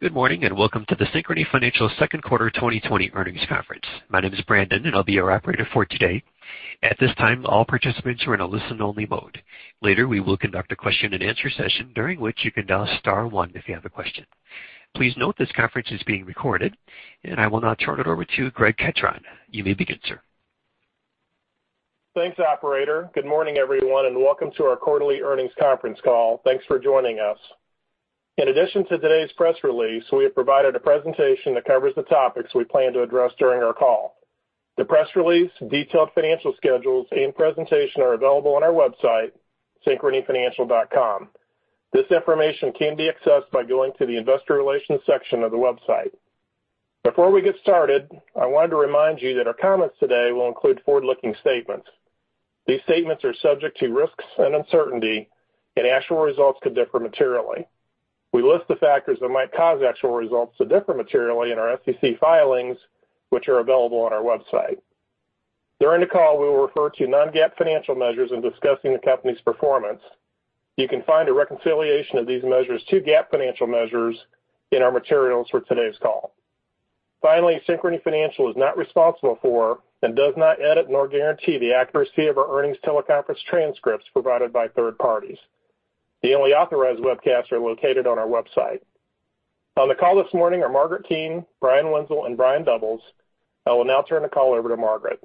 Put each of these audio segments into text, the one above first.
Good morning, and welcome to the Synchrony Financial second quarter 2020 earnings conference. My name is Brandon, and I'll be your operator for today. At this time, all participants are in a listen-only mode. Later, we will conduct a question and answer session during which you can dial star one if you have a question. Please note this conference is being recorded, and I will now turn it over to Greg Ketron. You may begin, sir. Thanks, operator. Good morning, everyone, and welcome to our quarterly earnings conference call. Thanks for joining us. In addition to today's press release, we have provided a presentation that covers the topics we plan to address during our call. The press release, detailed financial schedules, and presentation are available on our website, synchronyfinancial.com. This information can be accessed by going to the investor relations section of the website. Before we get started, I wanted to remind you that our comments today will include forward-looking statements. These statements are subject to risks and uncertainty, and actual results could differ materially. We list the factors that might cause actual results to differ materially in our SEC filings, which are available on our website. During the call, we will refer to non-GAAP financial measures in discussing the company's performance. You can find a reconciliation of these measures to GAAP financial measures in our materials for today's call. Finally, Synchrony Financial is not responsible for and does not edit nor guarantee the accuracy of our earnings teleconference transcripts provided by third parties. The only authorized webcasts are located on our website. On the call this morning are Margaret Keane, Brian Wenzel, and Brian Doubles. I will now turn the call over to Margaret.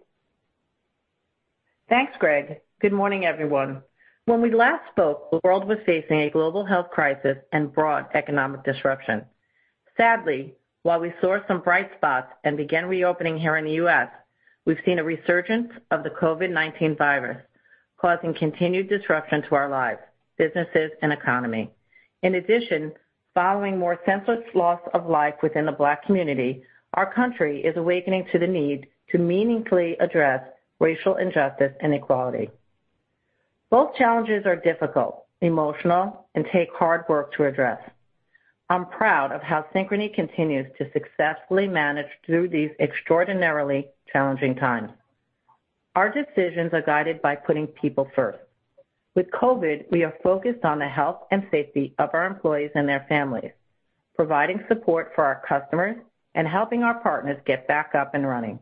Thanks, Greg. Good morning, everyone. When we last spoke, the world was facing a global health crisis and broad economic disruption. Sadly, while we saw some bright spots and began reopening here in the U.S., we've seen a resurgence of the COVID-19 virus, causing continued disruption to our lives, businesses, and economy. In addition, following more senseless loss of life within the Black community, our country is awakening to the need to meaningfully address racial injustice and inequality. Both challenges are difficult, emotional, and take hard work to address. I'm proud of how Synchrony continues to successfully manage through these extraordinarily challenging times. Our decisions are guided by putting people first. With COVID, we are focused on the health and safety of our employees and their families, providing support for our customers and helping our partners get back up and running.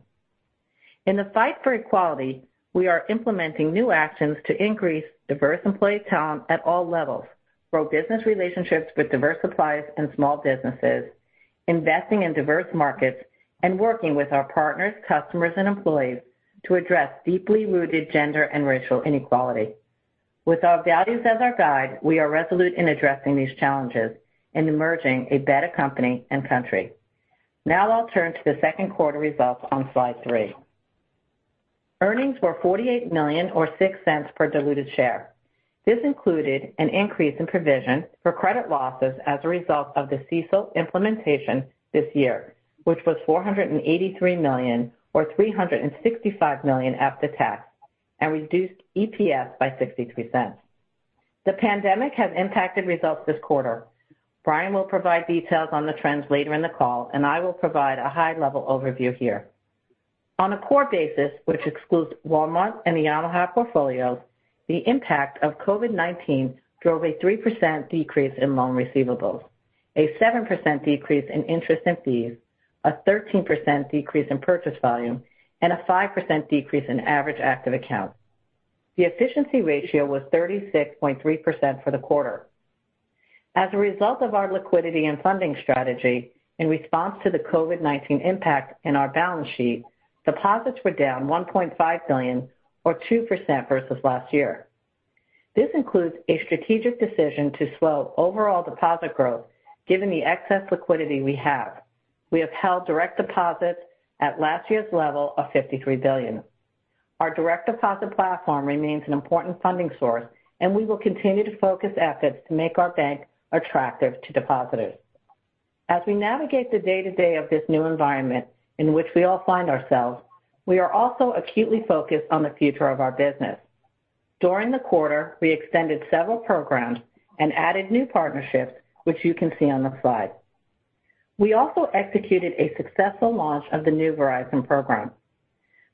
In the fight for equality, we are implementing new actions to increase diverse employee talent at all levels, grow business relationships with diverse suppliers and small businesses, investing in diverse markets, and working with our partners, customers, and employees to address deeply rooted gender and racial inequality. With our values as our guide, we are resolute in addressing these challenges and emerging a better company and country. I'll turn to the second quarter results on slide three. Earnings were $48 million or $0.06 per diluted share. This included an increase in provision for credit losses as a result of the CECL implementation this year, which was $483 million or $365 million after tax, and reduced EPS by $0.63. The pandemic has impacted results this quarter. Brian will provide details on the trends later in the call, and I will provide a high-level overview here. On a core basis, which excludes Walmart and the AutoHaul portfolios, the impact of COVID-19 drove a 3% decrease in loan receivables, a 7% decrease in interest and fees, a 13% decrease in purchase volume, and a 5% decrease in average active accounts. The efficiency ratio was 36.3 for the quarter. As a result of our liquidity and funding strategy in response to the COVID-19 impact in our balance sheet, deposits were down $1.5 billion or 2% versus last year. This includes a strategic decision to slow overall deposit growth given the excess liquidity we have. We have held direct deposits at last year's level of $53 billion. Our direct deposit platform remains an important funding source, and we will continue to focus efforts to make our bank attractive to depositors. As we navigate the day-to-day of this new environment in which we all find ourselves, we are also acutely focused on the future of our business. During the quarter, we extended several programs and added new partnerships, which you can see on the slide. We also executed a successful launch of the new Verizon program.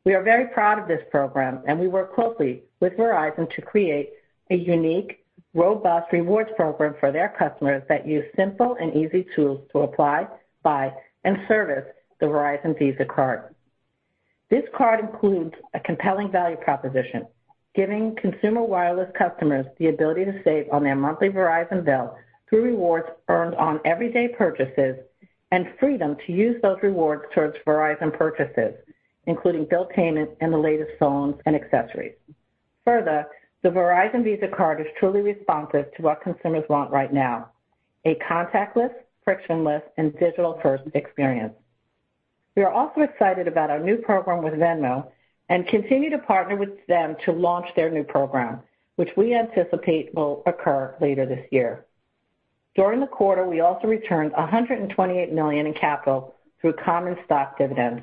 We are very proud of this program, and we work closely with Verizon to create a unique, robust rewards program for their customers that use simple and easy tools to apply, buy, and service the Verizon Visa Card. This card includes a compelling value proposition, giving consumer wireless customers the ability to save on their monthly Verizon bill through rewards earned on everyday purchases and freedom to use those rewards towards Verizon purchases, including bill payment and the latest phones and accessories. The Verizon Visa Card is truly responsive to what consumers want right now: a contactless, frictionless, and digital-first experience. We are also excited about our new program with Venmo and continue to partner with them to launch their new program, which we anticipate will occur later this year. During the quarter, we also returned $128 million in capital through common stock dividends.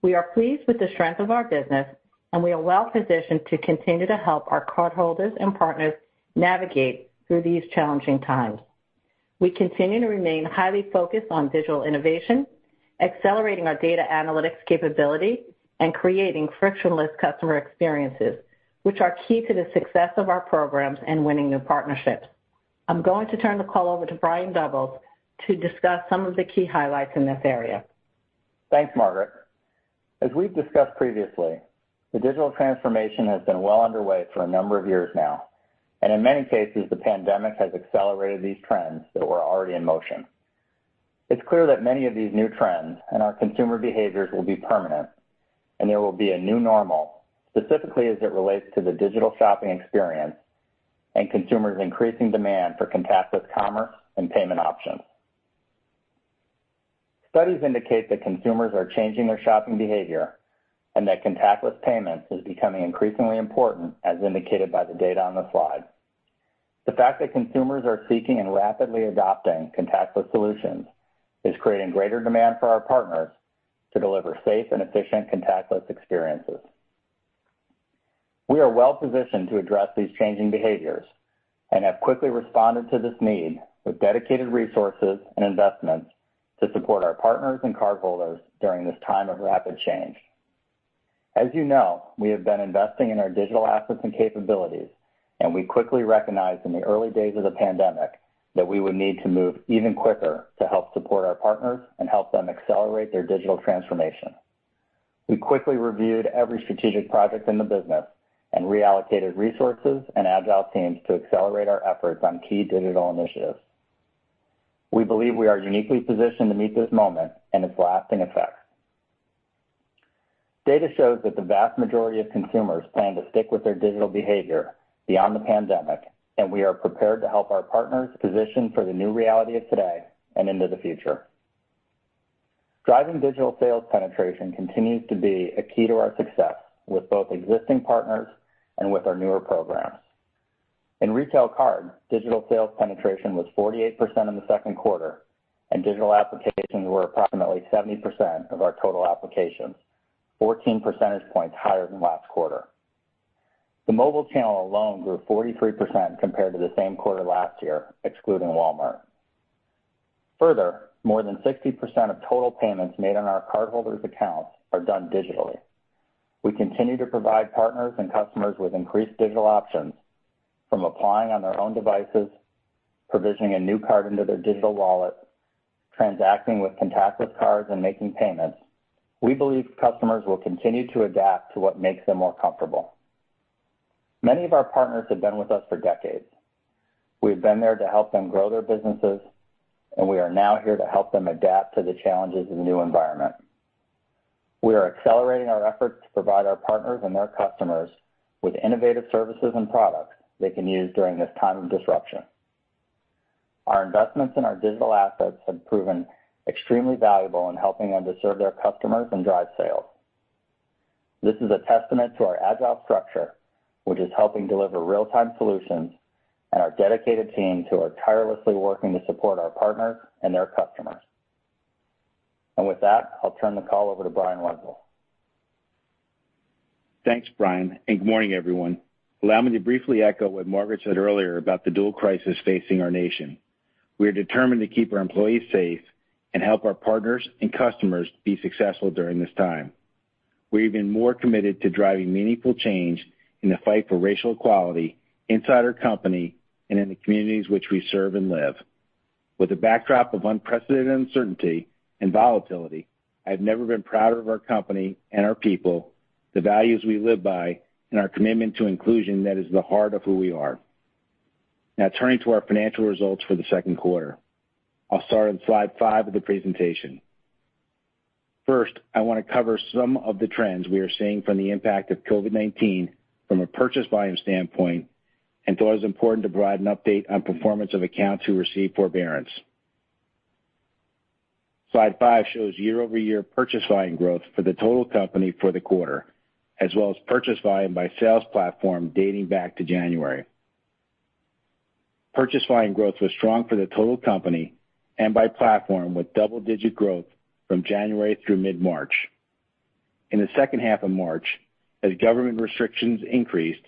We are pleased with the strength of our business, and we are well-positioned to continue to help our cardholders and partners navigate through these challenging times. We continue to remain highly focused on digital innovation, accelerating our data analytics capability and creating frictionless customer experiences, which are key to the success of our programs in winning new partnerships. I'm going to turn the call over to Brian Doubles to discuss some of the key highlights in this area. Thanks, Margaret. As we've discussed previously, the digital transformation has been well underway for a number of years now, and in many cases, the pandemic has accelerated these trends that were already in motion. It's clear that many of these new trends and our consumer behaviors will be permanent, and there will be a new normal, specifically as it relates to the digital shopping experience and consumers' increasing demand for contactless commerce and payment options. Studies indicate that consumers are changing their shopping behavior and that contactless payments is becoming increasingly important, as indicated by the data on the slide. The fact that consumers are seeking and rapidly adopting contactless solutions is creating greater demand for our partners to deliver safe and efficient contactless experiences. We are well-positioned to address these changing behaviors and have quickly responded to this need with dedicated resources and investments to support our partners and cardholders during this time of rapid change. As you know, we have been investing in our digital assets and capabilities. We quickly recognized in the early days of the pandemic that we would need to move even quicker to help support our partners and help them accelerate their digital transformation. We quickly reviewed every strategic project in the business and reallocated resources and agile teams to accelerate our efforts on key digital initiatives. We believe we are uniquely positioned to meet this moment and its lasting effects. Data shows that the vast majority of consumers plan to stick with their digital behavior beyond the pandemic. We are prepared to help our partners position for the new reality of today and into the future. Driving digital sales penetration continues to be a key to our success with both existing partners and with our newer programs. In retail card, digital sales penetration was 48% in the second quarter, and digital applications were approximately 70% of our total applications, 14 percentage points higher than last quarter. The mobile channel alone grew 43% compared to the same quarter last year, excluding Walmart. More than 60% of total payments made on our cardholders' accounts are done digitally. We continue to provide partners and customers with increased digital options from applying on their own devices, provisioning a new card into their digital wallet, transacting with contactless cards, and making payments. We believe customers will continue to adapt to what makes them more comfortable. Many of our partners have been with us for decades. We've been there to help them grow their businesses, and we are now here to help them adapt to the challenges of the new environment. We are accelerating our efforts to provide our partners and their customers with innovative services and products they can use during this time of disruption. Our investments in our digital assets have proven extremely valuable in helping them to serve their customers and drive sales. This is a testament to our agile structure, which is helping deliver real-time solutions, and our dedicated team who are tirelessly working to support our partners and their customers. With that, I'll turn the call over to Brian Wenzel. Thanks, Brian. Good morning, everyone. Allow me to briefly echo what Margaret said earlier about the dual crisis facing our nation. We are determined to keep our employees safe and help our partners and customers be successful during this time. We've been more committed to driving meaningful change in the fight for racial equality inside our company and in the communities which we serve and live. With a backdrop of unprecedented uncertainty and volatility, I've never been prouder of our company and our people, the values we live by, and our commitment to inclusion that is the heart of who we are. Turning to our financial results for the second quarter. I'll start on slide five of the presentation. First, I want to cover some of the trends we are seeing from the impact of COVID-19 from a purchase volume standpoint, and thought it was important to provide an update on performance of accounts who received forbearance. Slide five shows year-over-year purchase volume growth for the total company for the quarter, as well as purchase volume by sales platform dating back to January. Purchase volume growth was strong for the total company and by platform with double-digit growth from January through mid-March. In the second half of March, as government restrictions increased,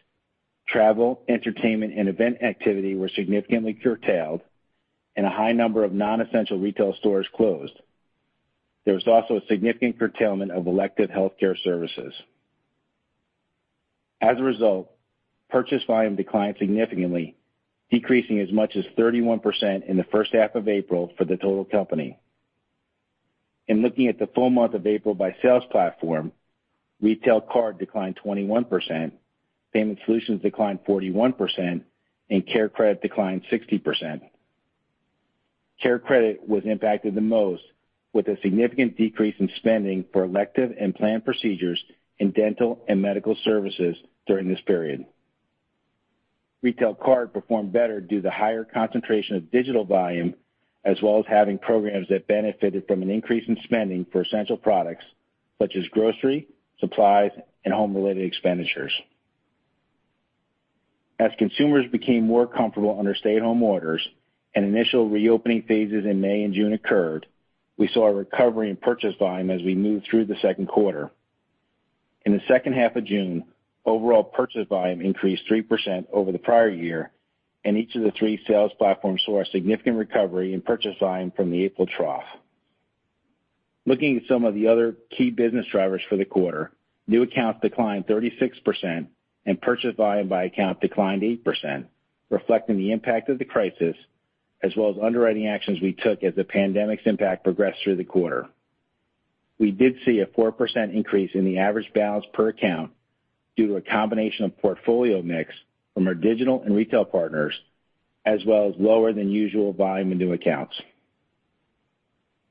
travel, entertainment, and event activity were significantly curtailed, and a high number of non-essential retail stores closed. There was also a significant curtailment of elective healthcare services. As a result, purchase volume declined significantly, decreasing as much as 31% in the first half of April for the total company. In looking at the full month of April by sales platform, Retail Card declined 21%, Payment Solutions declined 41%, and CareCredit declined 60%. CareCredit was impacted the most with a significant decrease in spending for elective and planned procedures in dental and medical services during this period. Retail Card performed better due to higher concentration of digital volume, as well as having programs that benefited from an increase in spending for essential products such as grocery, supplies, and home-related expenditures. As consumers became more comfortable under stay-home orders and initial reopening phases in May and June occurred, we saw a recovery in purchase volume as we moved through the second quarter. In the second half of June, overall purchase volume increased 3% over the prior year, and each of the three sales platforms saw a significant recovery in purchase volume from the April trough. Looking at some of the other key business drivers for the quarter, new accounts declined 36%, and purchase volume by account declined 8%, reflecting the impact of the crisis, as well as underwriting actions we took as the pandemic's impact progressed through the quarter. We did see a 4% increase in the average balance per account due to a combination of portfolio mix from our digital and retail partners, as well as lower than usual volume in new accounts.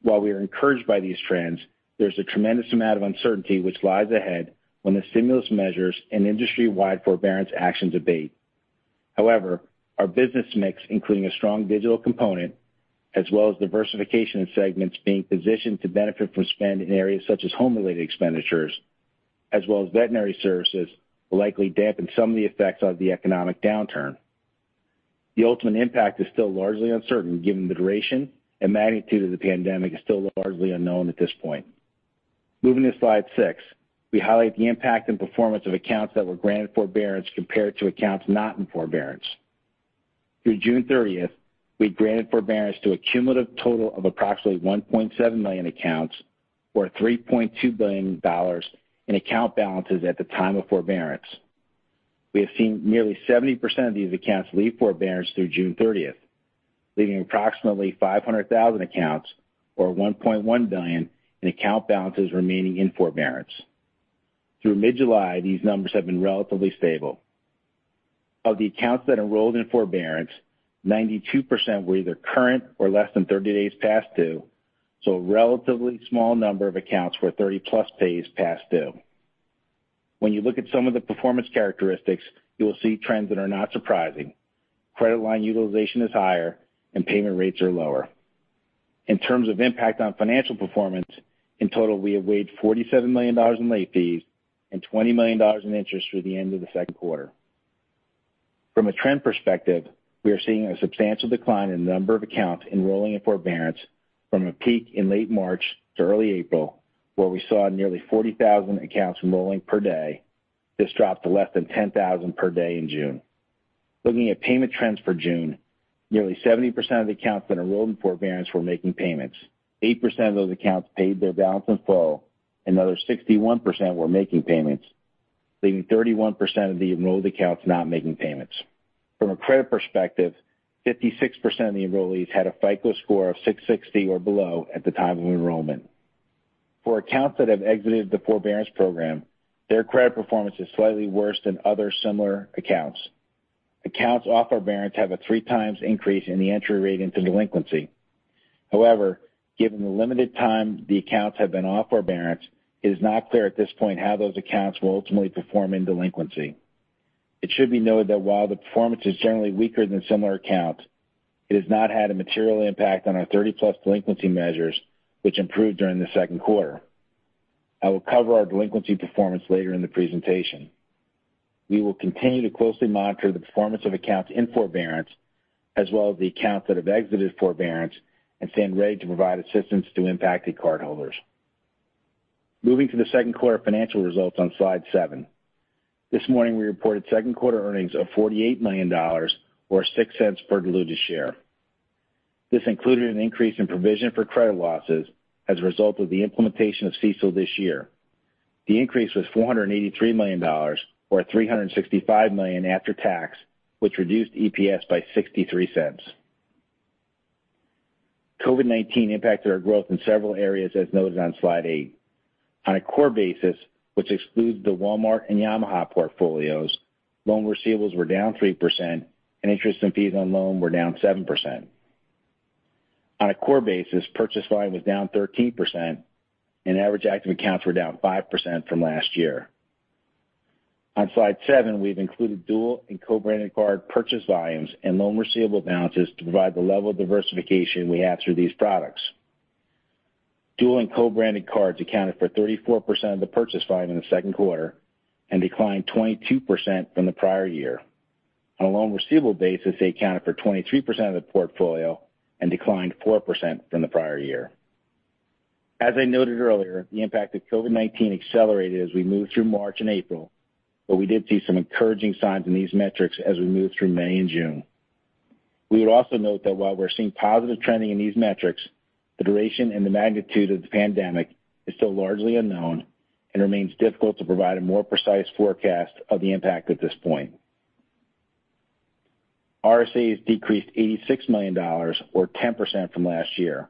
While we are encouraged by these trends, there's a tremendous amount of uncertainty which lies ahead when the stimulus measures and industry-wide forbearance actions abate. However, our business mix, including a strong digital component as well as diversification in segments being positioned to benefit from spend in areas such as home-related expenditures, as well as veterinary services, will likely dampen some of the effects of the economic downturn. The ultimate impact is still largely uncertain given the duration and magnitude of the pandemic is still largely unknown at this point. Moving to slide six, we highlight the impact and performance of accounts that were granted forbearance compared to accounts not in forbearance. Through June 30th, we granted forbearance to a cumulative total of approximately 1.7 million accounts or $3.2 billion in account balances at the time of forbearance. We have seen nearly 70% of these accounts leave forbearance through June 30th, leaving approximately 500,000 accounts or $1.1 billion in account balances remaining in forbearance. Through mid-July, these numbers have been relatively stable. A relatively small number of accounts were 30 plus days past due. When you look at some of the performance characteristics, you will see trends that are not surprising. Credit line utilization is higher and payment rates are lower. In terms of impact on financial performance, in total, we have waived $47 million in late fees and $20 million in interest through the end of the second quarter. From a trend perspective, we are seeing a substantial decline in the number of accounts enrolling in forbearance from a peak in late March to early April, where we saw nearly 40,000 accounts enrolling per day. This dropped to less than 10,000 per day in June. Looking at payment trends for June, nearly 70% of the accounts that enrolled in forbearance were making payments. 8% of those accounts paid their balance in full. Another 61% were making payments, leaving 31% of the enrolled accounts not making payments. From a credit perspective, 56% of the enrollees had a FICO score of 660 or below at the time of enrollment. For accounts that have exited the forbearance program, their credit performance is slightly worse than other similar accounts. Accounts off forbearance have a three times increase in the entry rate into delinquency. Given the limited time the accounts have been off forbearance, it is not clear at this point how those accounts will ultimately perform in delinquency. It should be noted that while the performance is generally weaker than similar accounts, it has not had a material impact on our 30+ delinquency measures, which improved during the second quarter. I will cover our delinquency performance later in the presentation. We will continue to closely monitor the performance of accounts in forbearance, as well as the accounts that have exited forbearance and stand ready to provide assistance to impacted cardholders. Moving to the second quarter financial results on slide seven. This morning, we reported second quarter earnings of $48 million or $0.06 per diluted share. This included an increase in provision for credit losses as a result of the implementation of CECL this year. The increase was $483 million or $365 million after tax, which reduced EPS by $0.63. COVID-19 impacted our growth in several areas, as noted on slide eight. On a core basis, which excludes the Walmart and Yamaha portfolios, loan receivables were down 3%, and interest and fees on loan were down 7%. On a core basis, purchase volume was down 13%, and average active accounts were down 5% from last year. On slide seven, we've included dual and co-branded card purchase volumes and loan receivable balances to provide the level of diversification we have through these products. Dual and co-branded cards accounted for 34% of the purchase volume in the second quarter and declined 22% from the prior year. On a loan receivable basis, they accounted for 23% of the portfolio and declined 4% from the prior year. As I noted earlier, the impact of COVID-19 accelerated as we moved through March and April, but we did see some encouraging signs in these metrics as we moved through May and June. We would also note that while we're seeing positive trending in these metrics, the duration and the magnitude of the pandemic is still largely unknown and remains difficult to provide a more precise forecast of the impact at this point. RSAs decreased $86 million or 10% from last year.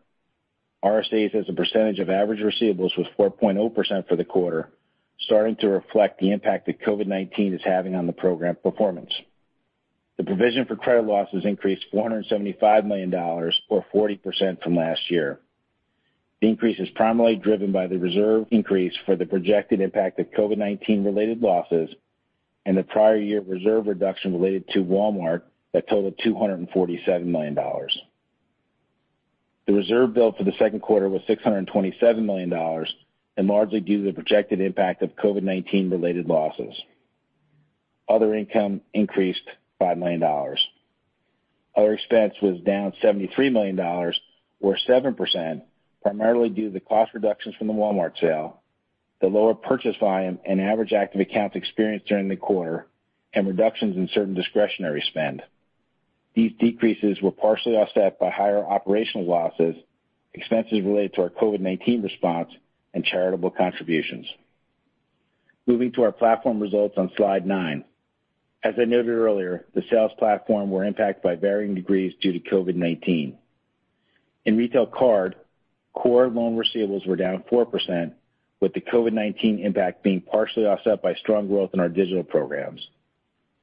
RSAs as a percentage of average receivables was 4.0% for the quarter, starting to reflect the impact that COVID-19 is having on the program performance. The provision for credit losses increased to $475 million or 40% from last year. The increase is primarily driven by the reserve increase for the projected impact of COVID-19 related losses and the prior year reserve reduction related to Walmart that totaled $247 million. The reserve built for the second quarter was $627 million, and largely due to the projected impact of COVID-19 related losses. Other income increased by $5 million. Other expense was down $73 million or 7%, primarily due to the cost reductions from the Walmart sale, the lower purchase volume and average active accounts experienced during the quarter, and reductions in certain discretionary spend. These decreases were partially offset by higher operational losses, expenses related to our COVID-19 response, and charitable contributions. Moving to our platform results on slide nine. As I noted earlier, the sales platform were impacted by varying degrees due to COVID-19. In retail card, core loan receivables were down 4%, with the COVID-19 impact being partially offset by strong growth in our digital programs.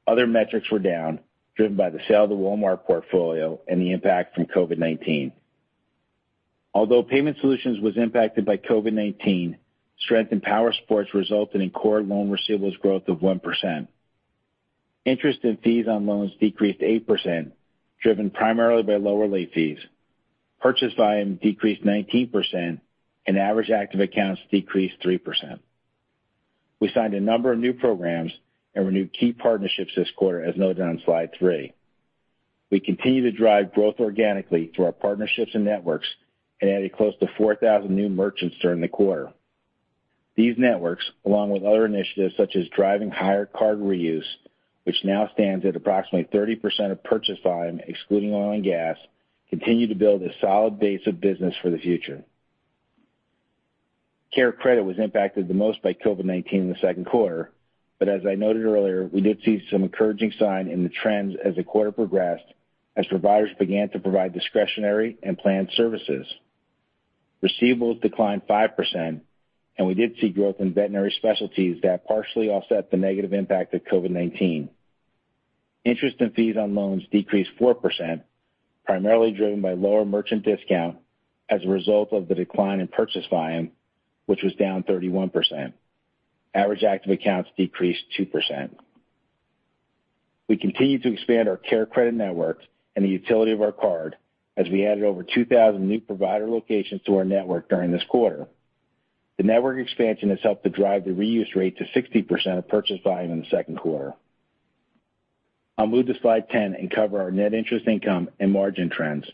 Other metrics were down, driven by the sale of the Walmart portfolio and the impact from COVID-19. Although Payment Solutions was impacted by COVID-19, strength in Powersports resulted in core loan receivables growth of 1%. Interest and fees on loans decreased 8%, driven primarily by lower late fees. Purchase volume decreased 19%, and average active accounts decreased 3%. We signed a number of new programs and renewed key partnerships this quarter, as noted on slide three. We continue to drive growth organically through our partnerships and networks and added close to 4,000 new merchants during the quarter. These networks, along with other initiatives such as driving higher card reuse, which now stands at approximately 30% of purchase volume, excluding oil and gas, continue to build a solid base of business for the future. CareCredit was impacted the most by COVID-19 in the second quarter. As I noted earlier, we did see some encouraging sign in the trends as the quarter progressed, as providers began to provide discretionary and planned services. Receivables declined 5%. We did see growth in veterinary specialties that partially offset the negative impact of COVID-19. Interest and fees on loans decreased 4%, primarily driven by lower merchant discount as a result of the decline in purchase volume, which was down 31%. Average active accounts decreased 2%. We continue to expand our CareCredit network and the utility of our card as we added over 2,000 new provider locations to our network during this quarter. The network expansion has helped to drive the reuse rate to 60% of purchase volume in the second quarter. I'll move to slide 10 and cover our net interest income and margin trends.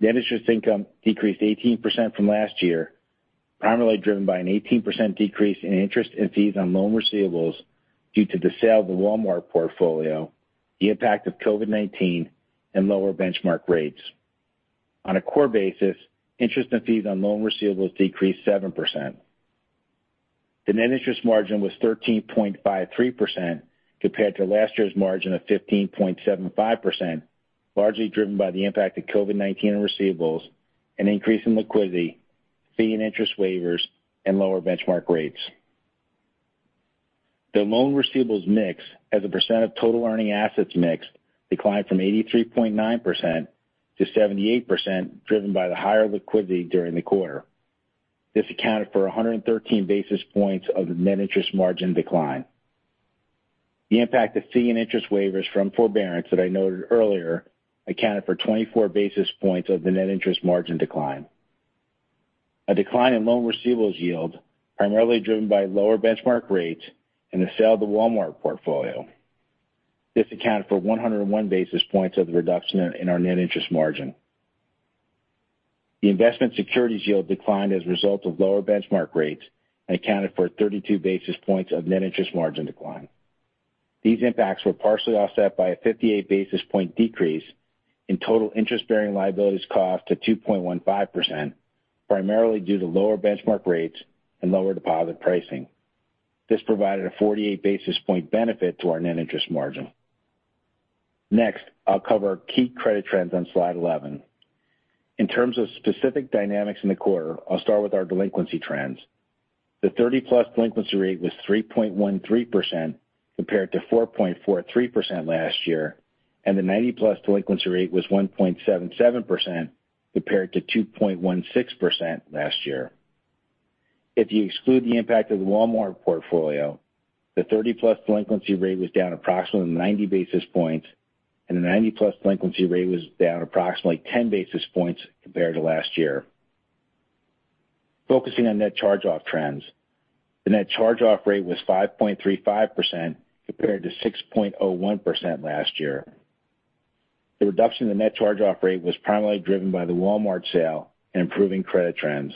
Net interest income decreased 18% from last year, primarily driven by an 18% decrease in interest and fees on loan receivables due to the sale of the Walmart portfolio, the impact of COVID-19, and lower benchmark rates. On a core basis, interest and fees on loan receivables decreased 7%. The net interest margin was 13.53% compared to last year's margin of 15.75%, largely driven by the impact of COVID-19 on receivables and increase in liquidity, fee and interest waivers, and lower benchmark rates. The loan receivables mix as a % of total earning assets mixed declined from 83.9% to 78%, driven by the higher liquidity during the quarter. This accounted for 113 basis points of the net interest margin decline. The impact of fee and interest waivers from forbearance that I noted earlier accounted for 24 basis points of the net interest margin decline. A decline in loan receivables yield, primarily driven by lower benchmark rates and the sale of the Walmart portfolio. This accounted for 101 basis points of the reduction in our net interest margin. The investment securities yield declined as a result of lower benchmark rates and accounted for 32 basis points of net interest margin decline. These impacts were partially offset by a 58 basis point decrease in total interest-bearing liabilities cost to 2.15%, primarily due to lower benchmark rates and lower deposit pricing. This provided a 48 basis point benefit to our net interest margin. I'll cover key credit trends on slide 11. In terms of specific dynamics in the quarter, I'll start with our delinquency trends. The 30-plus delinquency rate was 3.13%, compared to 4.43% last year, and the 90-plus delinquency rate was 1.77%, compared to 2.16% last year. If you exclude the impact of the Walmart portfolio, the 30-plus delinquency rate was down approximately 90 basis points, and the 90-plus delinquency rate was down approximately 10 basis points compared to last year. Focusing on net charge-off trends, the net charge-off rate was 5.35% compared to 6.01% last year. The reduction in the net charge-off rate was primarily driven by the Walmart sale and improving credit trends.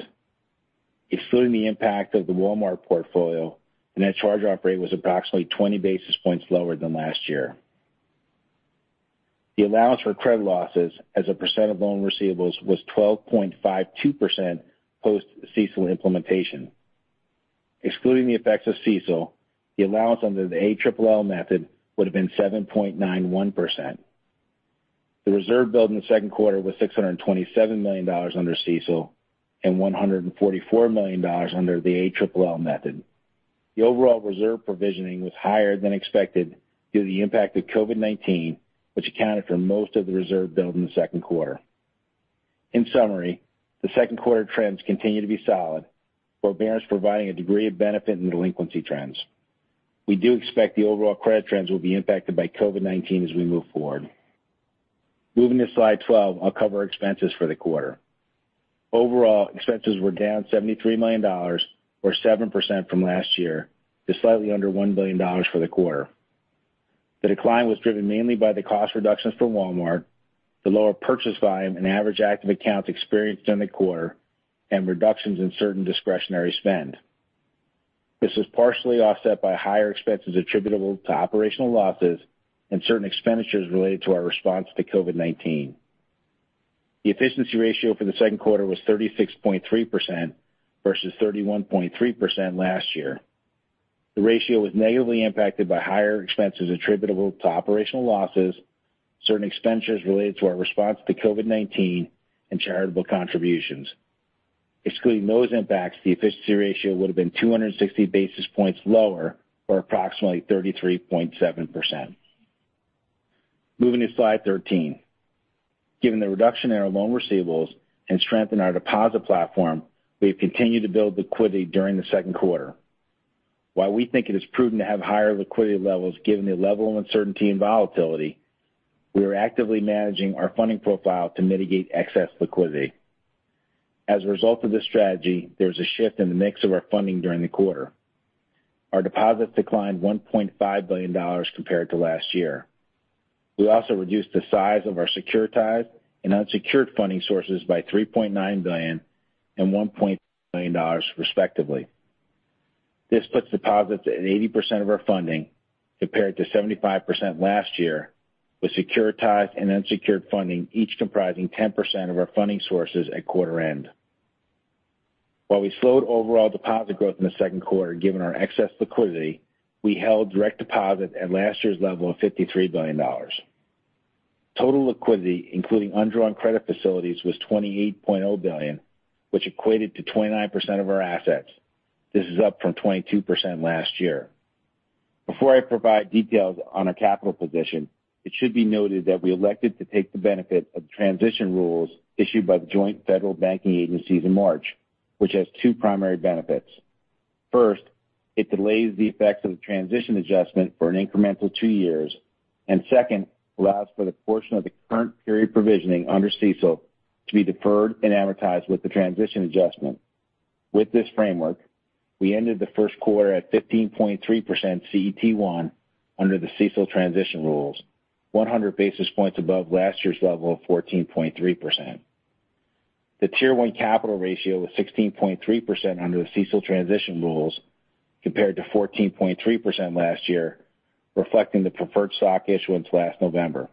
Excluding the impact of the Walmart portfolio, the net charge-off rate was approximately 20 basis points lower than last year. The allowance for credit losses as a percent of loan receivables was 12.52% post CECL implementation. Excluding the effects of CECL, the allowance under the ALLL method would have been 7.91%. The reserve build in the second quarter was $627 million under CECL and $144 million under the ALLL method. The overall reserve provisioning was higher than expected due to the impact of COVID-19, which accounted for most of the reserve build in the second quarter. In summary, the second quarter trends continue to be solid, forbearance providing a degree of benefit in delinquency trends. We do expect the overall credit trends will be impacted by COVID-19 as we move forward. Moving to slide 12, I'll cover expenses for the quarter. Overall, expenses were down $73 million, or 7% from last year, to slightly under $1 billion for the quarter. The decline was driven mainly by the cost reductions from Walmart, the lower purchase volume and average active accounts experienced during the quarter, and reductions in certain discretionary spend. This was partially offset by higher expenses attributable to operational losses and certain expenditures related to our response to COVID-19. The efficiency ratio for the second quarter was 36.3% versus 31.3% last year. The ratio was negatively impacted by higher expenses attributable to operational losses, certain expenditures related to our response to COVID-19, and charitable contributions. Excluding those impacts, the efficiency ratio would've been 260 basis points lower, or approximately 33.7%. Moving to slide 13. Given the reduction in our loan receivables and strength in our deposit platform, we have continued to build liquidity during the second quarter. While we think it is prudent to have higher liquidity levels given the level of uncertainty and volatility, we are actively managing our funding profile to mitigate excess liquidity. As a result of this strategy, there was a shift in the mix of our funding during the quarter. Our deposits declined $1.5 billion compared to last year. We also reduced the size of our securitized and unsecured funding sources by $3.9 billion and $1.3 billion, respectively. This puts deposits at 80% of our funding, compared to 75% last year, with securitized and unsecured funding each comprising 10% of our funding sources at quarter end. While we slowed overall deposit growth in the second quarter given our excess liquidity, we held direct deposit at last year's level of $53 billion. Total liquidity, including undrawn credit facilities, was $28.0 billion, which equated to 29% of our assets. This is up from 22% last year. Before I provide details on our capital position, it should be noted that we elected to take the benefit of the transition rules issued by the joint federal banking agencies in March, which has two primary benefits. First, it delays the effects of the transition adjustment for an incremental two years. Second, allows for the portion of the current period provisioning under CECL to be deferred and amortized with the transition adjustment. With this framework, we ended the first quarter at 15.3% CET1 under the CECL transition rules, 100 basis points above last year's level of 14.3%. The Tier 1 capital ratio was 16.3% under the CECL transition rules compared to 14.3% last year, reflecting the preferred stock issuance last November.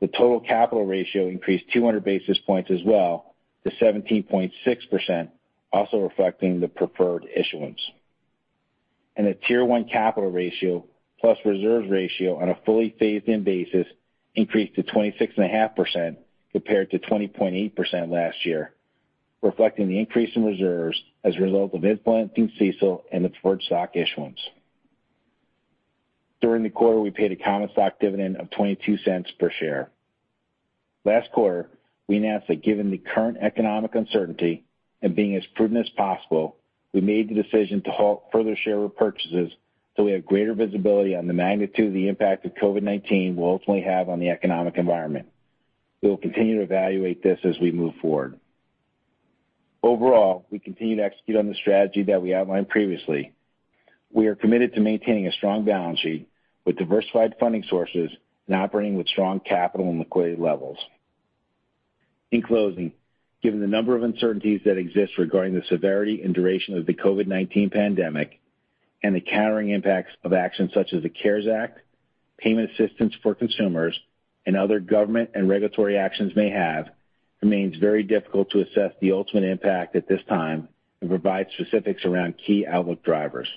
The total capital ratio increased 200 basis points as well to 17.6%, also reflecting the preferred issuance. The Tier 1 capital ratio, plus reserves ratio on a fully phased-in basis increased to 26.5%, compared to 20.8% last year, reflecting the increase in reserves as a result of implementing CECL and the preferred stock issuance. During the quarter, we paid a common stock dividend of $0.22 per share. Last quarter, we announced that given the current economic uncertainty and being as prudent as possible, we made the decision to halt further share repurchases till we have greater visibility on the magnitude of the impact that COVID-19 will ultimately have on the economic environment. We will continue to evaluate this as we move forward. Overall, we continue to execute on the strategy that we outlined previously. We are committed to maintaining a strong balance sheet with diversified funding sources and operating with strong capital and liquidity levels. In closing, given the number of uncertainties that exist regarding the severity and duration of the COVID-19 pandemic and the countering impacts of actions such as the CARES Act, payment assistance for consumers, and other government and regulatory actions may have, remains very difficult to assess the ultimate impact at this time and provide specifics around key outlook drivers.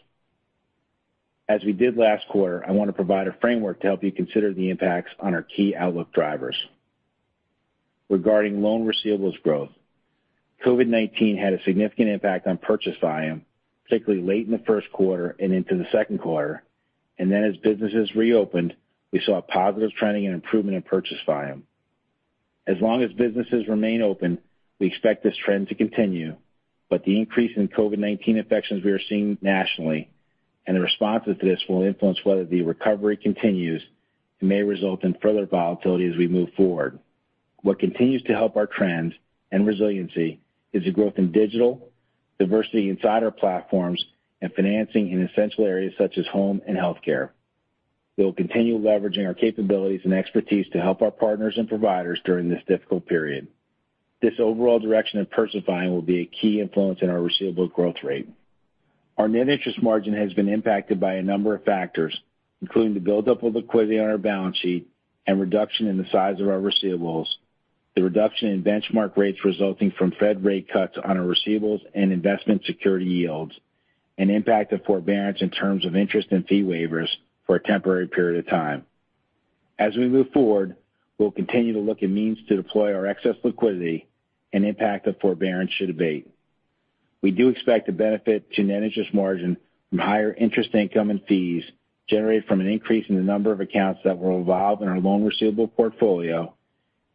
As we did last quarter, I want to provide a framework to help you consider the impacts on our key outlook drivers. Regarding loan receivables growth, COVID-19 had a significant impact on purchase volume, particularly late in the first quarter and into the second quarter, and then as businesses reopened, we saw a positive trending and improvement in purchase volume. As long as businesses remain open, we expect this trend to continue, but the increase in COVID-19 infections we are seeing nationally and the responses to this will influence whether the recovery continues and may result in further volatility as we move forward. What continues to help our trend and resiliency is the growth in digital, diversity inside our platforms, and financing in essential areas such as home and healthcare. We'll continue leveraging our capabilities and expertise to help our partners and providers during this difficult period. This overall direction of purchase volume will be a key influence in our receivable growth rate. Our net interest margin has been impacted by a number of factors, including the buildup of liquidity on our balance sheet and reduction in the size of our receivables, the reduction in benchmark rates resulting from Fed rate cuts on our receivables and investment security yields, and impact of forbearance in terms of interest and fee waivers for a temporary period of time. As we move forward, we'll continue to look at means to deploy our excess liquidity and impact of forbearance should abate. We do expect to benefit to net interest margin from higher interest income and fees generated from an increase in the number of accounts that will revolve in our loan receivable portfolio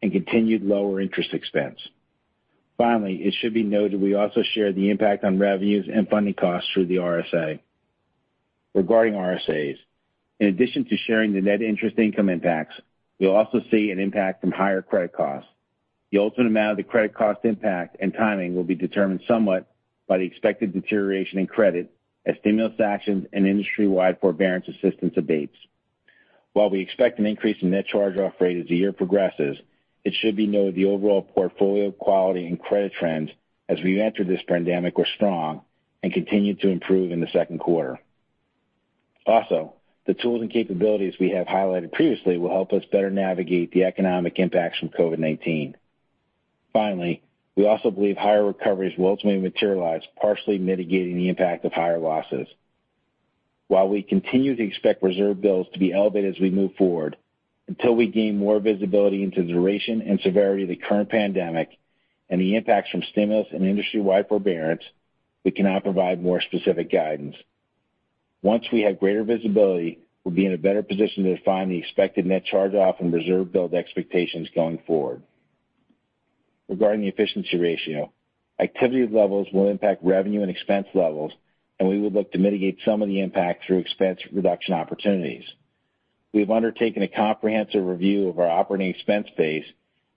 and continued lower interest expense. It should be noted we also share the impact on revenues and funding costs through the RSA. Regarding RSAs, in addition to sharing the net interest income impacts, you'll also see an impact from higher credit costs. The ultimate amount of the credit cost impact and timing will be determined somewhat by the expected deterioration in credit as stimulus actions and industry-wide forbearance assistance abates. While we expect an increase in net charge-off rate as the year progresses, it should be noted the overall portfolio quality and credit trends as we entered this pandemic were strong and continued to improve in the second quarter. The tools and capabilities we have highlighted previously will help us better navigate the economic impacts from COVID-19. We also believe higher recoveries will ultimately materialize, partially mitigating the impact of higher losses. While we continue to expect reserve builds to be elevated as we move forward, until we gain more visibility into the duration and severity of the current pandemic and the impacts from stimulus and industry-wide forbearance, we cannot provide more specific guidance. Once we have greater visibility, we'll be in a better position to define the expected net charge-off and reserve build expectations going forward. Regarding the efficiency ratio, activity levels will impact revenue and expense levels, and we will look to mitigate some of the impact through expense reduction opportunities. We have undertaken a comprehensive review of our operating expense base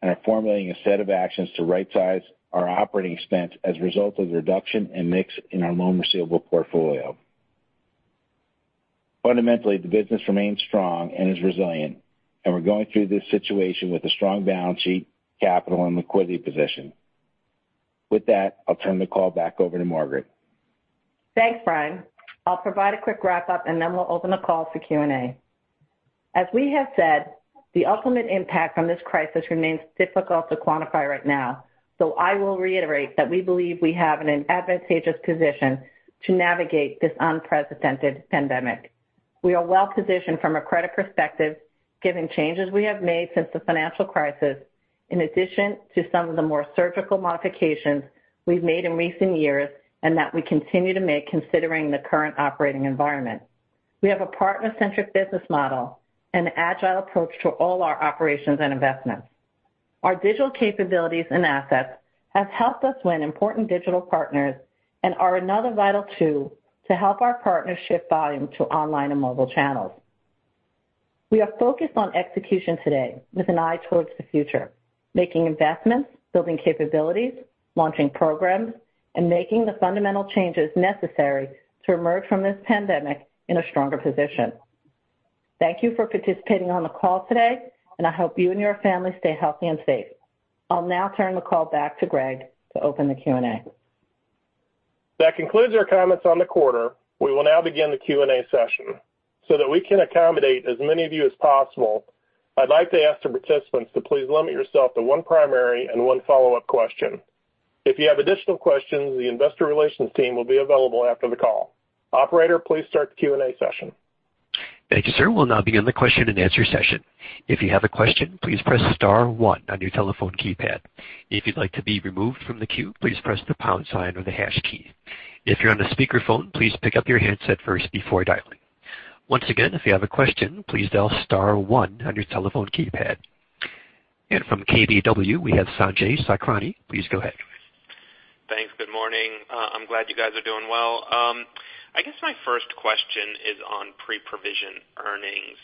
and are formulating a set of actions to rightsize our operating expense as a result of the reduction and mix in our loan receivable portfolio. Fundamentally, the business remains strong and is resilient, and we're going through this situation with a strong balance sheet, capital, and liquidity position. With that, I'll turn the call back over to Margaret. Thanks, Brian. I'll provide a quick wrap-up. We'll open the call for Q&A. As we have said, the ultimate impact from this crisis remains difficult to quantify right now. I will reiterate that we believe we have an advantageous position to navigate this unprecedented pandemic. We are well-positioned from a credit perspective given changes we have made since the financial crisis, in addition to some of the more surgical modifications we've made in recent years and that we continue to make considering the current operating environment. We have a partner-centric business model and agile approach to all our operations and investments. Our digital capabilities and assets have helped us win important digital partners and are another vital tool to help our partners shift volume to online and mobile channels. We are focused on execution today with an eye towards the future, making investments, building capabilities, launching programs, and making the fundamental changes necessary to emerge from this pandemic in a stronger position. Thank you for participating on the call today, and I hope you and your family stay healthy and safe. I'll now turn the call back to Greg to open the Q&A. That concludes our comments on the quarter. We will now begin the Q&A session. That we can accommodate as many of you as possible, I'd like to ask the participants to please limit yourself to one primary and one follow-up question. If you have additional questions, the investor relations team will be available after the call. Operator, please start the Q&A session. Thank you, sir. We'll now begin the question-and-answer session. If you have a question, please press star one on your telephone keypad. If you'd like to be removed from the queue, please press the pound sign or the hash key. If you're on a speakerphone, please pick up your handset first before dialing. Once again, if you have a question, please dial star one on your telephone keypad. From KBW, we have Sanjay Sakhrani. Please go ahead. Thanks. Good morning. I'm glad you guys are doing well. I guess my first question is on pre-provision earnings.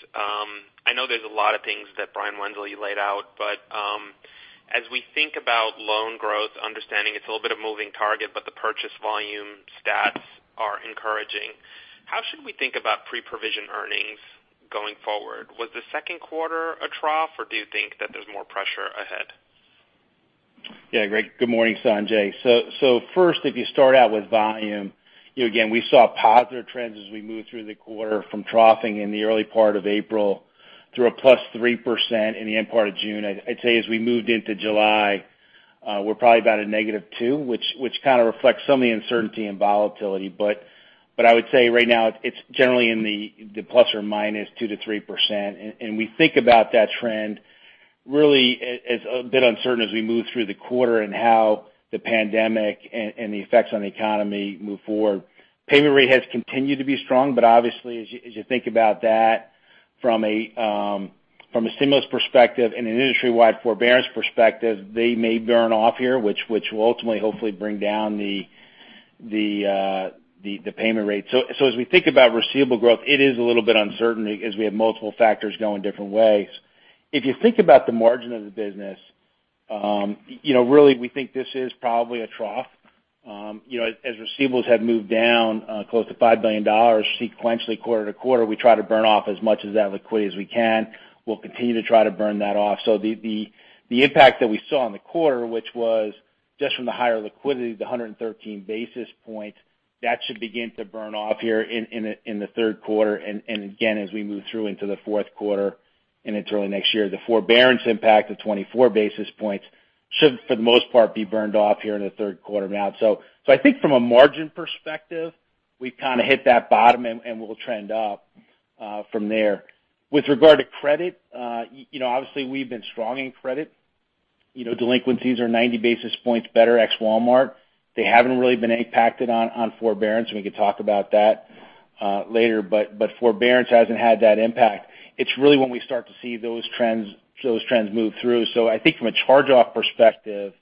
I know there's a lot of things that Brian Wenzel laid out, as we think about loan growth, understanding it's a little bit of moving target, but the purchase volume stats are encouraging. How should we think about pre-provision earnings going forward? Was the second quarter a trough, or do you think that there's more pressure ahead? Yeah, great. Good morning, Sanjay. First, if you start out with volume, again, we saw positive trends as we moved through the quarter from troughing in the early part of April through a +3% in the end part of June. I'd say as we moved into July, we're probably about a negative two, which kind of reflects some of the uncertainty and volatility. I would say right now, it's generally in the ±two to 3%. We think about that trend really as a bit uncertain as we move through the quarter and how the pandemic and the effects on the economy move forward. Payment rate has continued to be strong, obviously, as you think about that from a stimulus perspective and an industry-wide forbearance perspective, they may burn off here, which will ultimately, hopefully bring down the payment rate. As we think about receivable growth, it is a little bit uncertain because we have multiple factors going different ways. If you think about the margin of the business, really, we think this is probably a trough. Receivables have moved down close to $5 billion sequentially quarter-to-quarter, we try to burn off as much of that liquidity as we can. We'll continue to try to burn that off. The impact that we saw in the quarter, which was just from the higher liquidity, the 113 basis points, that should begin to burn off here in the third quarter and again, as we move through into the fourth quarter and into early next year. The forbearance impact of 24 basis points should, for the most part, be burned off here in the third quarter now. I think from a margin perspective, we've kind of hit that bottom, and we'll trend up from there. With regard to credit, obviously, we've been strong in credit. Delinquencies are 90 basis points better ex-Walmart. They haven't really been impacted on forbearance, and we could talk about that later, but forbearance hasn't had that impact. It's really when we start to see those trends move through. I think from a charge-off perspective.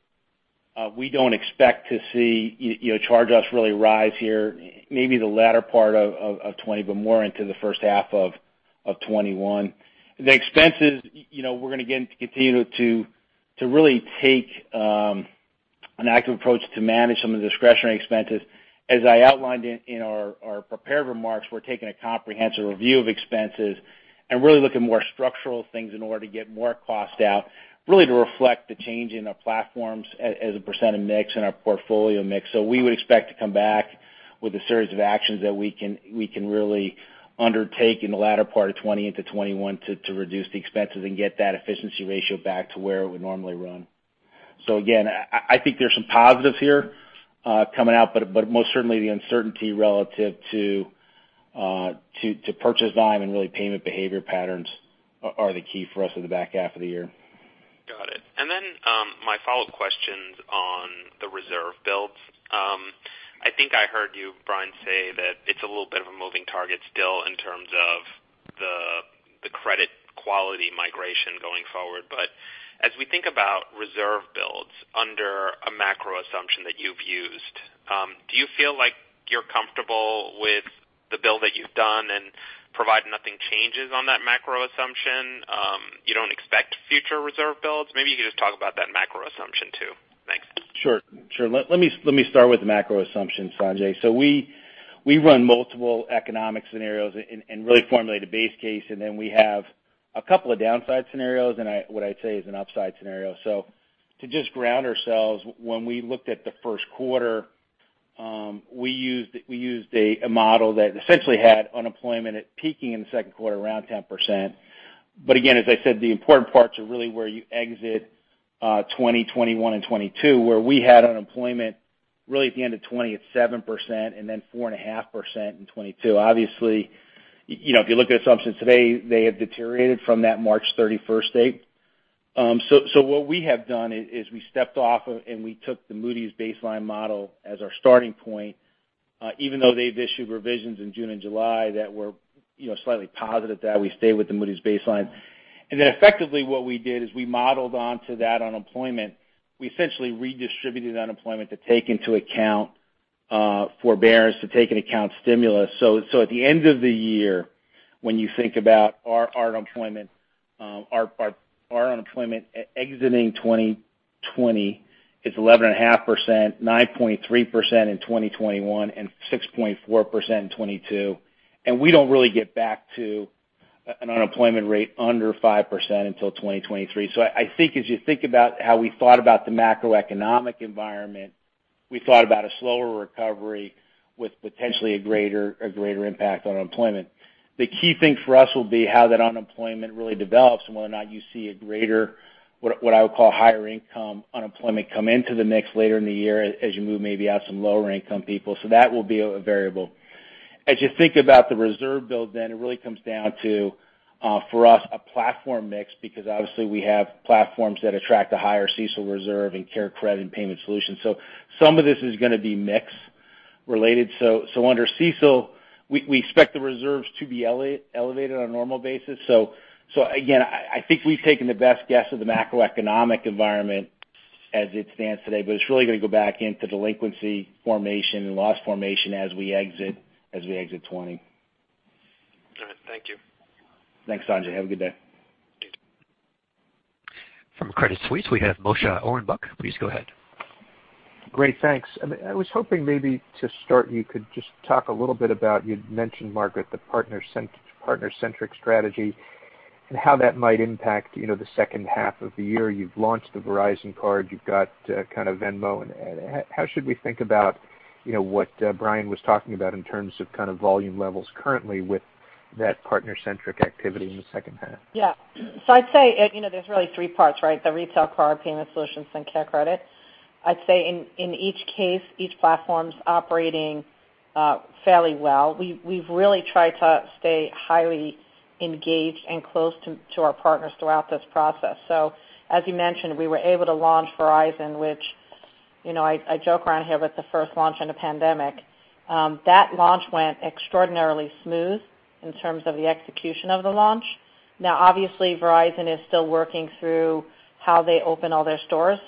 We don't expect to see charge-offs really rise here, maybe the latter part of 2020, but more into the first half of 2021. The expenses, we're going to continue to really take an active approach to manage some of the discretionary expenses. As I outlined in our prepared remarks, we're taking a comprehensive review of expenses and really look at more structural things in order to get more cost out, really to reflect the change in our platforms as a % of mix and our portfolio mix. We would expect to come back with a series of actions that we can really undertake in the latter part of 2020 into 2021 to reduce the expenses and get that efficiency ratio back to where it would normally run. Again, I think there's some positives here coming out, but most certainly the uncertainty relative to purchase volume and really payment behavior patterns are the key for us in the back half of the year. Got it. My follow-up question's on the reserve builds. I think I heard you, Brian, say that it's a little bit of a moving target still in terms of the credit quality migration going forward. As we think about reserve builds under a macro assumption that you've used, do you feel like you're comfortable with the build that you've done, and provided nothing changes on that macro assumption, you don't expect future reserve builds? Maybe you could just talk about that macro assumption, too. Thanks. Sure. Let me start with the macro assumption, Sanjay. We run multiple economic scenarios and really formulate a base case, and then we have a couple of downside scenarios and what I'd say is an upside scenario. To just ground ourselves, when we looked at the first quarter, we used a model that essentially had unemployment at peaking in the second quarter around 10%. Again, as I said, the important parts are really where you exit 2020, 2021, and 2022, where we had unemployment really at the end of 2020 at 7% and then 4.5% in 2022. Obviously, if you look at the assumptions today, they have deteriorated from that March 31st date. What we have done is we stepped off and we took the Moody's baseline model as our starting point. Even though they've issued revisions in June and July that were slightly positive, that we stay with the Moody's baseline. Effectively what we did is we modeled onto that unemployment. We essentially redistributed unemployment to take into account forbearance, to take into account stimulus. At the end of the year, when you think about our unemployment exiting 2020 is 11.5%, 9.3% in 2021, and 6.4% in 2022. We don't really get back to an unemployment rate under 5% until 2023. I think as you think about how we thought about the macroeconomic environment, we thought about a slower recovery with potentially a greater impact on unemployment. The key thing for us will be how that unemployment really develops and whether or not you see a greater, what I would call higher income unemployment come into the mix later in the year as you move maybe out some lower income people. That will be a variable. As you think about the reserve build, then it really comes down to for us a platform mix because obviously we have platforms that attract a higher CECL reserve and CareCredit and Payment Solutions. Some of this is going to be mix related. Under CECL, we expect the reserves to be elevated on a normal basis. Again, I think we've taken the best guess of the macroeconomic environment as it stands today, but it's really going to go back into delinquency formation and loss formation as we exit 2020. All right. Thank you. Thanks, Sanjay. Have a good day. You too. From Credit Suisse, we have Moshe Orenbuch. Please go ahead. Great. Thanks. I was hoping maybe to start, you could just talk a little bit about, you'd mentioned, Margaret, the partner-centric strategy and how that might impact the second half of the year. You've launched the Verizon card, you've got kind of Venmo. How should we think about what Brian was talking about in terms of volume levels currently with that partner-centric activity in the second half? Yeah. I'd say there's really three parts, right? The retail card Payment Solutions and CareCredit. I'd say in each case, each platform's operating fairly well. We've really tried to stay highly engaged and close to our partners throughout this process. As you mentioned, we were able to launch Verizon, which I joke around here with the first launch in a pandemic. That launch went extraordinarily smooth in terms of the execution of the launch. Obviously, Verizon is still working through how they open all their stores.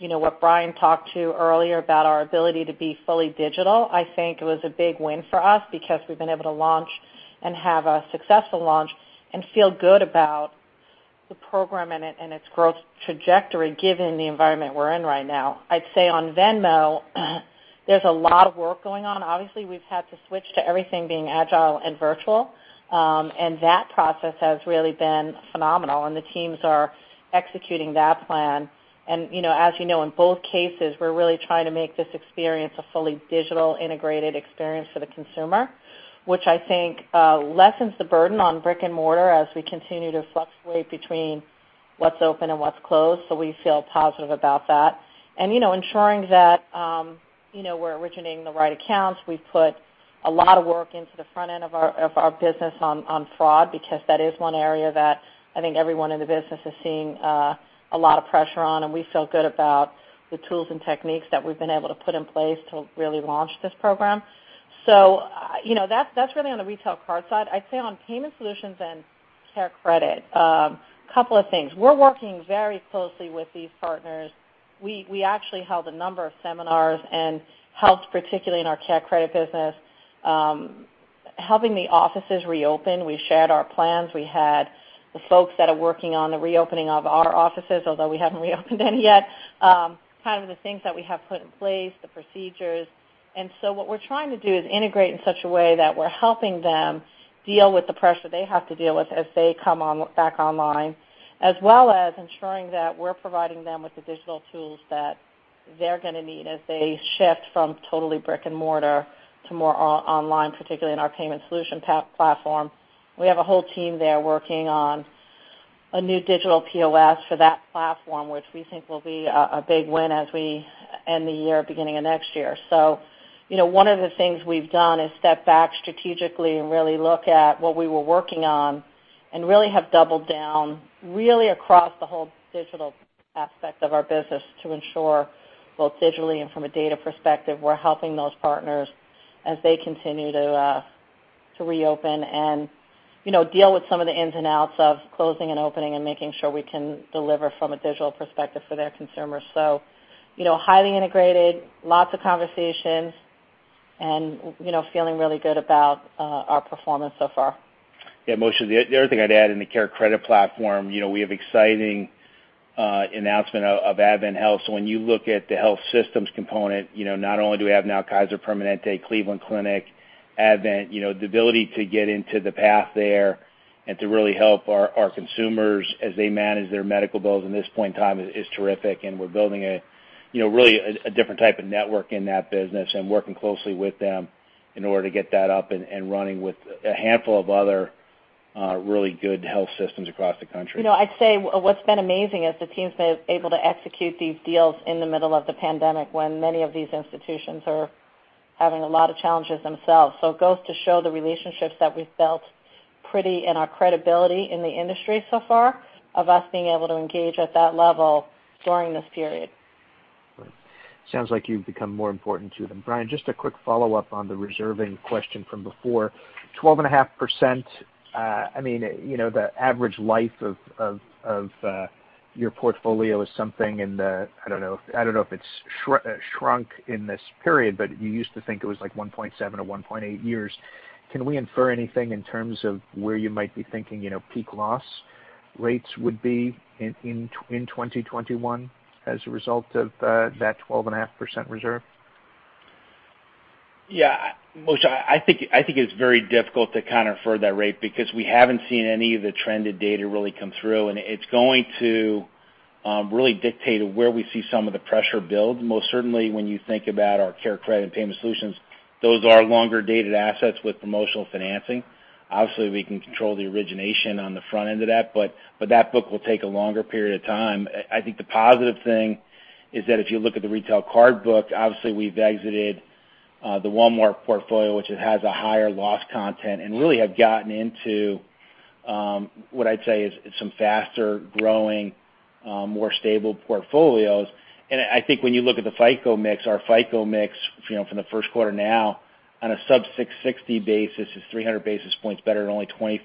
What Brian talked to earlier about our ability to be fully digital, I think was a big win for us because we've been able to launch and have a successful launch and feel good about the program and its growth trajectory given the environment we're in right now. I'd say on Venmo, there's a lot of work going on. Obviously, we've had to switch to everything being agile and virtual. That process has really been phenomenal, and the teams are executing that plan. As you know, in both cases, we're really trying to make this experience a fully digital integrated experience for the consumer, which I think lessens the burden on brick and mortar as we continue to fluctuate between what's open and what's closed, so we feel positive about that. Ensuring that we're originating the right accounts. We've put a lot of work into the front end of our business on fraud because that is one area that I think everyone in the business is seeing a lot of pressure on, and we feel good about the tools and techniques that we've been able to put in place to really launch this program. That's really on the retail card side. I'd say on Payment Solutions and CareCredit, a couple of things. We're working very closely with these partners. We actually held a number of seminars and helped, particularly in our CareCredit business, helping the offices reopen. We shared our plans. We had the folks that are working on the reopening of our offices, although we haven't reopened any yet, kind of the things that we have put in place, the procedures. What we're trying to do is integrate in such a way that we're helping them deal with the pressure they have to deal with as they come back online, as well as ensuring that we're providing them with the digital tools that they're going to need as they shift from totally brick and mortar to more online, particularly in our Payment Solutions platform. We have a whole team there working on a new digital POS for that platform, which we think will be a big win as we end the year, beginning of next year. One of the things we've done is step back strategically and really look at what we were working on and really have doubled down really across the whole digital aspect of our business to ensure both digitally and from a data perspective, we're helping those partners as they continue to reopen and deal with some of the ins and outs of closing and opening and making sure we can deliver from a digital perspective for their consumers. Highly integrated, lots of conversations, and feeling really good about our performance so far. Yeah, Moshe. The other thing I'd add in the CareCredit platform, we have exciting announcement of AdventHealth. When you look at the health systems component, not only do we have now Kaiser Permanente, Cleveland Clinic, Advent. The ability to get into the path there and to really help our consumers as they manage their medical bills in this point in time is terrific, and we're building really a different type of network in that business and working closely with them in order to get that up and running with a handful of other really good health systems across the country. I'd say what's been amazing is the team's been able to execute these deals in the middle of the pandemic, when many of these institutions are having a lot of challenges themselves. It goes to show the relationships that we've built pretty, and our credibility in the industry so far of us being able to engage at that level during this period. Sounds like you've become more important to them. Brian, just a quick follow-up on the reserving question from before. 12.5%, the average life of your portfolio is something I don't know if it's shrunk in this period, but you used to think it was like 1.7 or 1.8 years. Can we infer anything in terms of where you might be thinking peak loss rates would be in 2021 as a result of that 12.5% reserve? Yeah. Moshe, I think it's very difficult to counter for that rate because we haven't seen any of the trended data really come through, and it's going to really dictate where we see some of the pressure build. Most certainly when you think about our CareCredit and Payment Solutions, those are longer-dated assets with promotional financing. Obviously, we can control the origination on the front end of that, but that book will take a longer period of time. I think the positive thing is that if you look at the retail card book, obviously we've exited the Walmart portfolio, which has a higher loss content, and really have gotten into what I'd say is some faster-growing, more stable portfolios. I think when you look at the FICO mix, our FICO mix from the first quarter now on a sub 660 basis is 300 basis points better than only 24%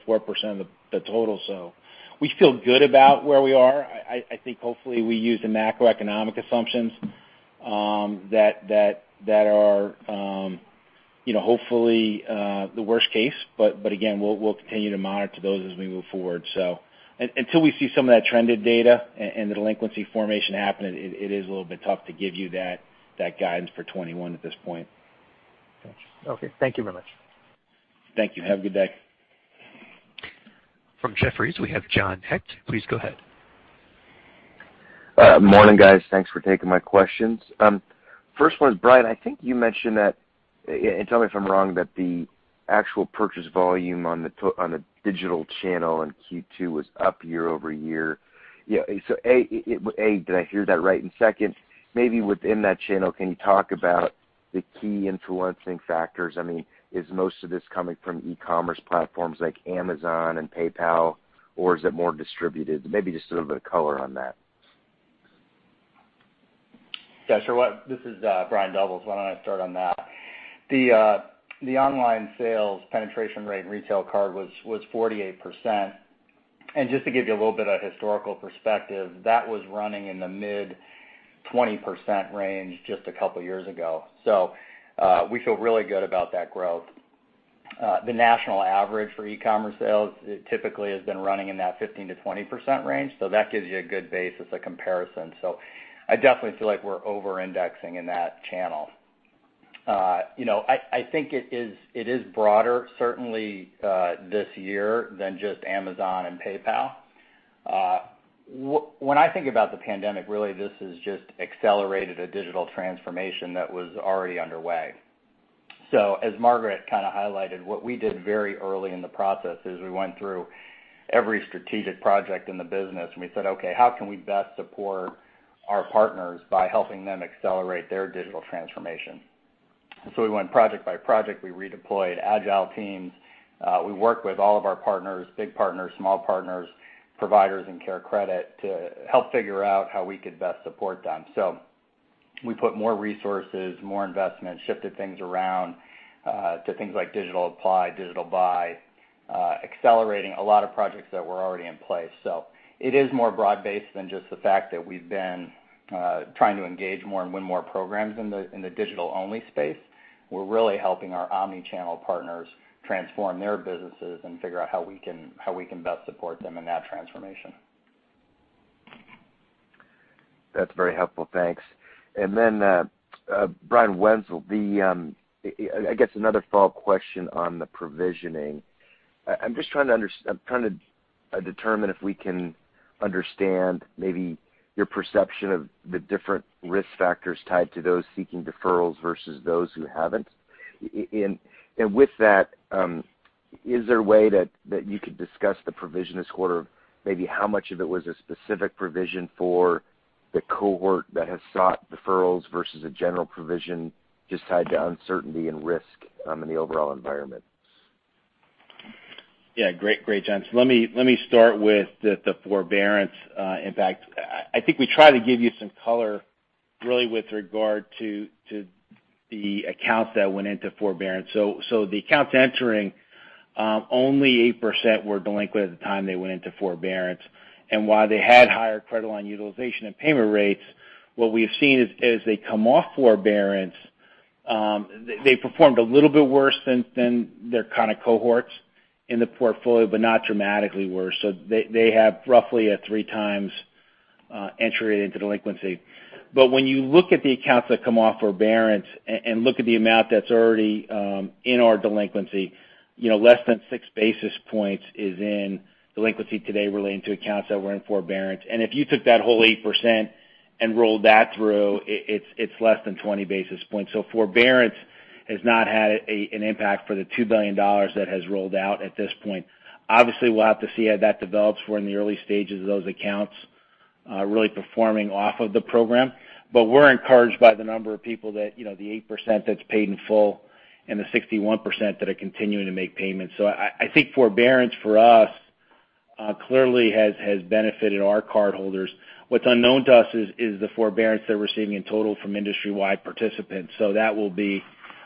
of the total. We feel good about where we are. I think hopefully we use the macroeconomic assumptions that are hopefully the worst case, but again, we'll continue to monitor those as we move forward. Until we see some of that trended data and the delinquency formation happen, it is a little bit tough to give you that guidance for 2021 at this point. Got you. Okay. Thank you very much. Thank you. Have a good day. From Jefferies, we have John Hecht. Please go ahead. Morning, guys. Thanks for taking my questions. First one is, Brian, I think you mentioned that, and tell me if I'm wrong, that the actual purchase volume on the digital channel in Q2 was up year-over-year. A, did I hear that right? Second, maybe within that channel, can you talk about the key influencing factors? Is most of this coming from e-commerce platforms like Amazon and PayPal, or is it more distributed? Maybe just a little bit of color on that. Yeah, sure. This is Brian Doubles. Why don't I start on that? The online sales penetration rate in retail card was 48%. Just to give you a little bit of historical perspective, that was running in the mid-20% range just a couple of years ago. We feel really good about that growth. The national average for e-commerce sales typically has been running in that 15%-20% range. That gives you a good basis of comparison. I definitely feel like we're over-indexing in that channel. I think it is broader certainly this year than just Amazon and PayPal. When I think about the pandemic, really, this has just accelerated a digital transformation that was already underway. As Margaret kind of highlighted, what we did very early in the process is we went through every strategic project in the business, and we said, "Okay, how can we best support our partners by helping them accelerate their digital transformation?" We went project by project. We redeployed agile teams. We worked with all of our partners, big partners, small partners, providers in CareCredit to help figure out how we could best support them. We put more resources, more investments, shifted things around to things like digital apply, digital buy, accelerating a lot of projects that were already in place. It is more broad-based than just the fact that we've been trying to engage more and win more programs in the digital-only space. We're really helping our omni-channel partners transform their businesses and figure out how we can best support them in that transformation. That's very helpful. Thanks. Brian Wenzel, I guess another follow-up question on the provisioning. I'm just trying to determine if we can understand maybe your perception of the different risk factors tied to those seeking deferrals versus those who haven't. With that, is there a way that you could discuss the provision this quarter, maybe how much of it was a specific provision for the cohort that has sought deferrals versus a general provision just tied to uncertainty and risk in the overall environment? Great, John. Let me start with the forbearance impact. I think we try to give you some color really with regard to the accounts that went into forbearance. While they had higher credit line utilization and payment rates, what we've seen is as they come off forbearance, they performed a little bit worse than their kind of cohorts in the portfolio, but not dramatically worse. They have roughly a three times entry into delinquency. When you look at the accounts that come off forbearance and look at the amount that's already in our delinquency, less than six basis points is in delinquency today relating to accounts that were in forbearance. If you took that whole 8% and rolled that through, it's less than 20 basis points. Forbearance has not had an impact for the $2 billion that has rolled out at this point. Obviously, we'll have to see how that develops. We're in the early stages of those accounts really performing off of the program. We're encouraged by the number of people that the 8% that's paid in full and the 61% that are continuing to make payments. I think forbearance for us clearly has benefited our cardholders. What's unknown to us is the forbearance they're receiving in total from industry-wide participants. That will be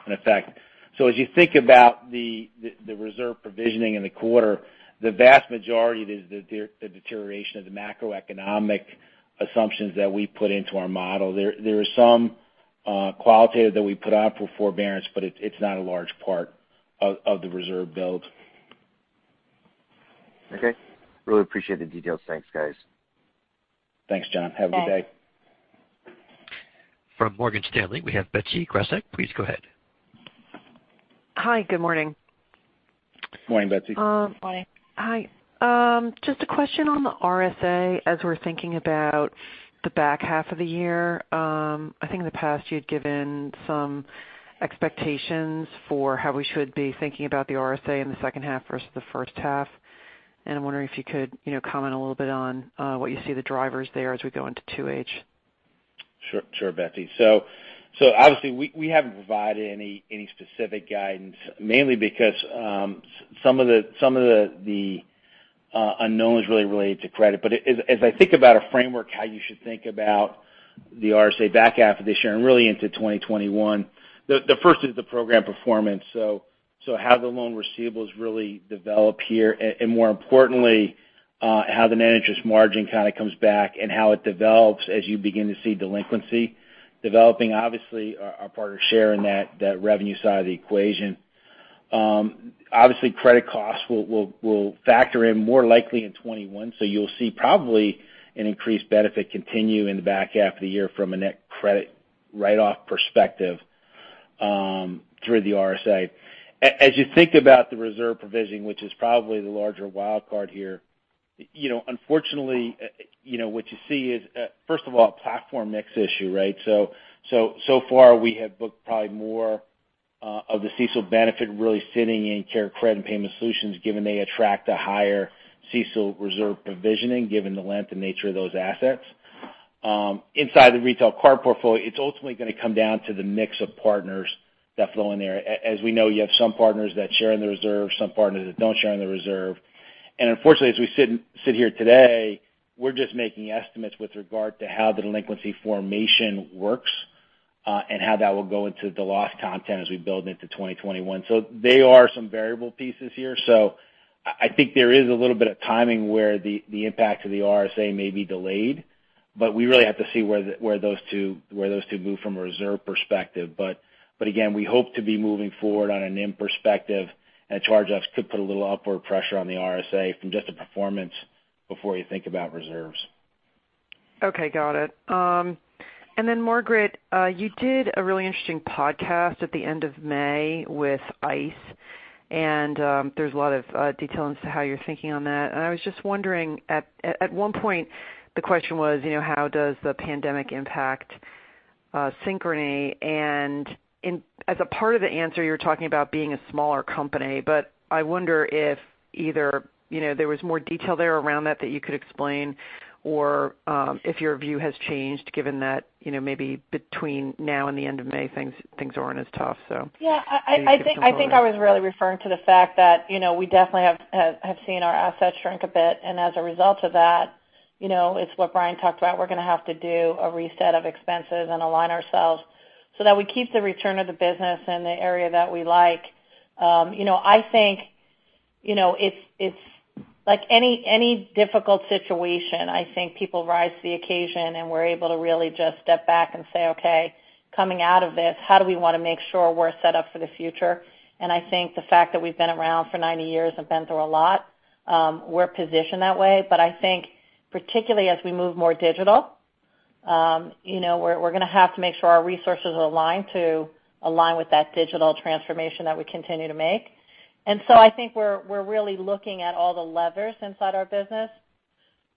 an effect. As you think about the reserve provisioning in the quarter, the vast majority is the deterioration of the macroeconomic assumptions that we put into our model. There is some qualitative that we put on for forbearance, but it's not a large part of the reserve build. Okay. Really appreciate the details. Thanks, guys. Thanks, John. Have a good day. Bye. From Morgan Stanley, we have Betsy Graseck. Please go ahead. Hi, good morning. Morning, Betsy. Hi. Just a question on the RSA as we're thinking about the back half of the year. I think in the past, you'd given some expectations for how we should be thinking about the RSA in the second half versus the first half. I'm wondering if you could comment a little bit on what you see the drivers there as we go into 2H. Sure, Betsy. Obviously we haven't provided any specific guidance, mainly because some of the unknowns really relate to credit. As I think about a framework, how you should think about the RSA back half of this year and really into 2021, the first is the program performance. How the loan receivables really develop here, and more importantly, how the net interest margin kind of comes back and how it develops as you begin to see delinquency developing. Obviously, our partner share in that revenue side of the equation. Obviously, credit costs will factor in more likely in 2021. You'll see probably an increased benefit continue in the back half of the year from a net credit write-off perspective through the RSA. As you think about the reserve provisioning, which is probably the larger wildcard here, unfortunately, what you see is, first of all, a platform mix issue, right? Far we have booked probably more of the CECL benefit really sitting in CareCredit and Payment Solutions, given they attract a higher CECL reserve provisioning given the length and nature of those assets. Inside the retail card portfolio, it's ultimately going to come down to the mix of partners that flow in there. As we know, you have some partners that share in the reserve, some partners that don't share in the reserve. Unfortunately, as we sit here today, we're just making estimates with regard to how the delinquency formation works, and how that will go into the loss content as we build into 2021. They are some variable pieces here. I think there is a little bit of timing where the impact of the RSA may be delayed, but we really have to see where those two move from a reserve perspective. Again, we hope to be moving forward on a NIM perspective, and charge-offs could put a little upward pressure on the RSA from just the performance before you think about reserves. Okay, got it. Margaret, you did a really interesting podcast at the end of May with ICE, there's a lot of detail into how you're thinking on that. I was just wondering, at one point, the question was, how does the pandemic impact Synchrony? As a part of the answer, you were talking about being a smaller company, I wonder if either there was more detail there around that that you could explain, or if your view has changed given that maybe between now and the end of May things aren't as tough. Maybe you could elaborate. Yeah. I think I was really referring to the fact that we definitely have seen our assets shrink a bit. It's what Brian talked about. We're going to have to do a reset of expenses and align ourselves so that we keep the return of the business in the area that we like. I think, like any difficult situation, I think people rise to the occasion, and we're able to really just step back and say, "Okay, coming out of this, how do we want to make sure we're set up for the future?" I think the fact that we've been around for 90 years and been through a lot, we're positioned that way. I think particularly as we move more digital, we're going to have to make sure our resources align to align with that digital transformation that we continue to make. I think we're really looking at all the levers inside our business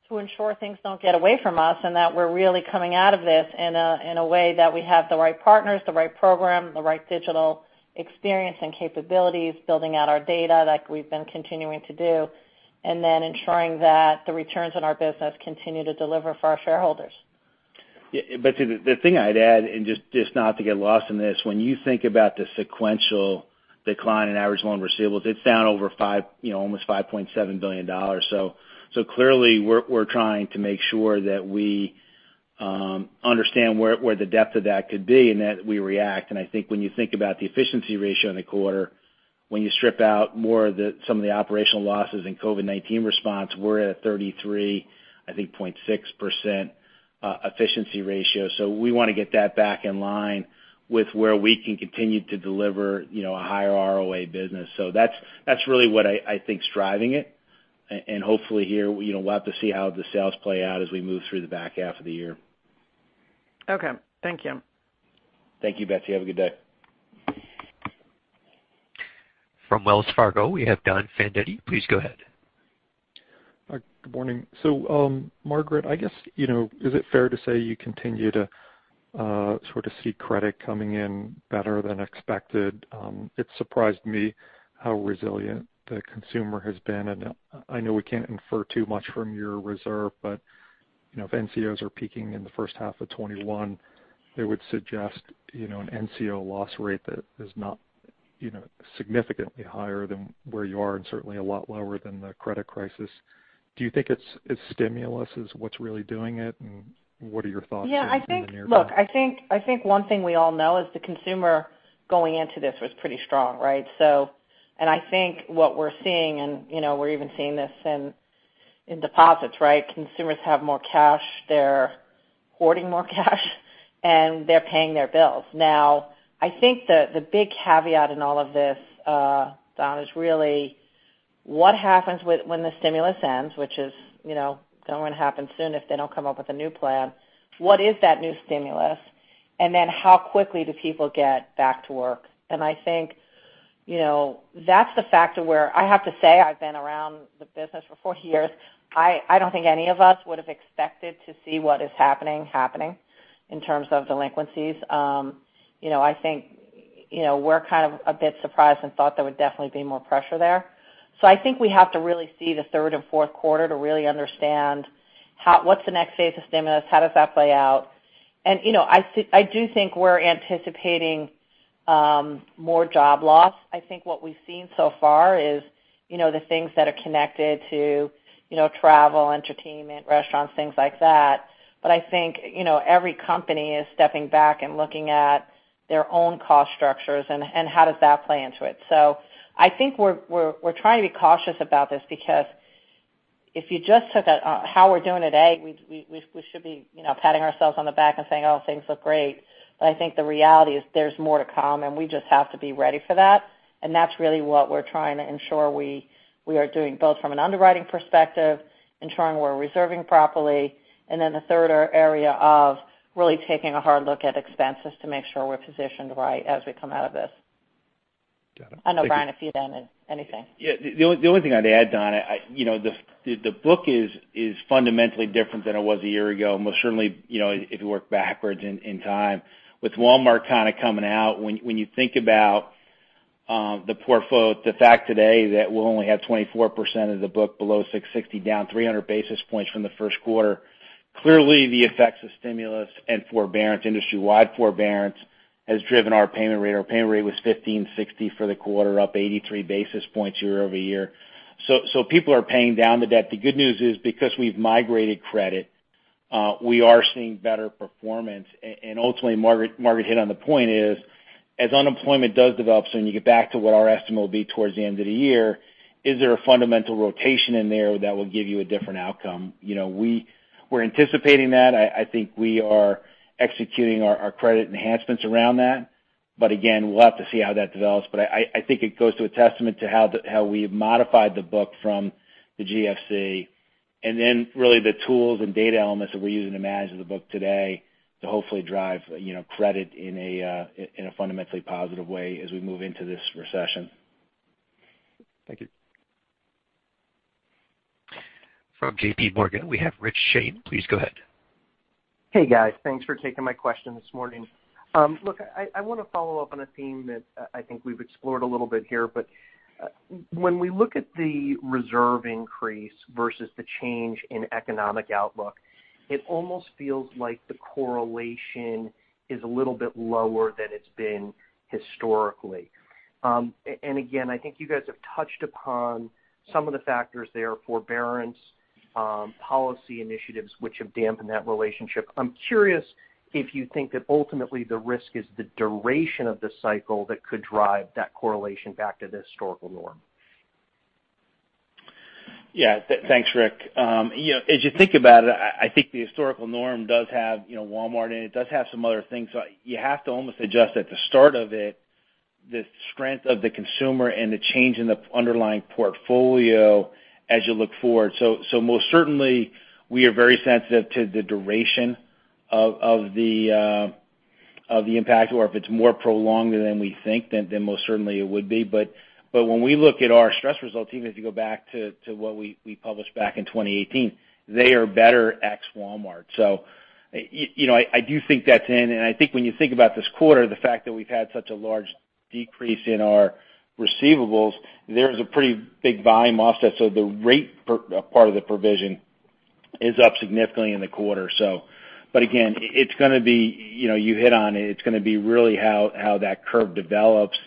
to ensure things don't get away from us, and that we're really coming out of this in a way that we have the right partners, the right program, the right digital experience and capabilities, building out our data like we've been continuing to do, and then ensuring that the returns on our business continue to deliver for our shareholders. Yeah. The thing I'd add, and just not to get lost in this, when you think about the sequential decline in average loan receivables, it's down almost $5.7 billion. Clearly we're trying to make sure that we understand where the depth of that could be and that we react. I think when you think about the efficiency ratio in the quarter, when you strip out more of some of the operational losses in COVID-19 response, we're at 33.6% efficiency ratio. We want to get that back in line with where we can continue to deliver a higher ROA business. That's really what I think is driving it. Hopefully here, we'll have to see how the sales play out as we move through the back half of the year. Okay. Thank you. Thank you, Betsy. Have a good day. From Wells Fargo, we have Don Fandetti. Please go ahead. Good morning. Margaret, I guess is it fair to say you continue to sort of see credit coming in better than expected? It surprised me how resilient the consumer has been, I know we can't infer too much from your reserve, but if NCOs are peaking in the first half of 2021, they would suggest an NCO loss rate that is not significantly higher than where you are and certainly a lot lower than the credit crisis. Do you think it's stimulus is what's really doing it, what are your thoughts in the near term? Look, I think one thing we all know is the consumer going into this was pretty strong, right? I think what we're seeing, and we're even seeing this in deposits, right? Consumers have more cash. They're hoarding more cash, and they're paying their bills. I think the big caveat in all of this, Don, is really what happens when the stimulus ends, which is going to happen soon if they don't come up with a new plan. What is that new stimulus? How quickly do people get back to work? I think that's the factor where I have to say I've been around the business for 40 years. I don't think any of us would've expected to see what is happening in terms of delinquencies. I think we're kind of a bit surprised and thought there would definitely be more pressure there. I think we have to really see the third and fourth quarter to really understand what's the next phase of stimulus, how does that play out? I do think we're anticipating more job loss. I think what we've seen so far is the things that are connected to travel, entertainment, restaurants, things like that. I think every company is stepping back and looking at their own cost structures and how does that play into it. I think we're trying to be cautious about this because if you just look at how we're doing today, we should be patting ourselves on the back and saying, "Oh, things look great." I think the reality is there's more to come, and we just have to be ready for that, and that's really what we're trying to ensure we are doing, both from an underwriting perspective, ensuring we're reserving properly, and then the third area of really taking a hard look at expenses to make sure we're positioned right as we come out of this. Got it. Thank you. I don't know, Brian, if you'd add anything. Yeah. The only thing I'd add, Don, the book is fundamentally different than it was a year ago, most certainly if you work backwards in time. With Walmart kind of coming out, when you think about the portfolio, the fact today that we only have 24% of the book below 660, down 300 basis points from the first quarter. Clearly, the effects of stimulus and forbearance, industry-wide forbearance, has driven our payment rate. Our payment rate was 15.60% for the quarter, up 83 basis points year-over-year. People are paying down the debt. The good news is because we've migrated credit, we are seeing better performance. Ultimately, Margaret hit on the point is as unemployment does develop, when you get back to what our estimate will be towards the end of the year, is there a fundamental rotation in there that will give you a different outcome? We're anticipating that. I think we are executing our credit enhancements around that. Again, we'll have to see how that develops. I think it goes to a testament to how we've modified the book from the GFC, and then really the tools and data elements that we're using to manage the book today to hopefully drive credit in a fundamentally positive way as we move into this recession. Thank you. From JPMorgan, we have Rich Shane. Please go ahead. Hey, guys. Thanks for taking my question this morning. Look, I want to follow up on a theme that I think we've explored a little bit here, but when we look at the reserve increase versus the change in economic outlook, it almost feels like the correlation is a little bit lower than it's been historically. Again, I think you guys have touched upon some of the factors there, forbearance, policy initiatives, which have dampened that relationship. I'm curious if you think that ultimately the risk is the duration of the cycle that could drive that correlation back to the historical norm. Thanks, Rich. As you think about it, I think the historical norm does have Walmart in it does have some other things. You have to almost adjust at the start of it, the strength of the consumer and the change in the underlying portfolio as you look forward. Most certainly, we are very sensitive to the duration of the impact, or if it's more prolonged than we think, most certainly it would be. When we look at our stress results, even if you go back to what we published back in 2018, they are better ex-Walmart. I do think that's in, I think when you think about this quarter, the fact that we've had such a large decrease in our receivables, there's a pretty big volume offset. The rate part of the provision is up significantly in the quarter. Again, you hit on it's going to be really how that curve develops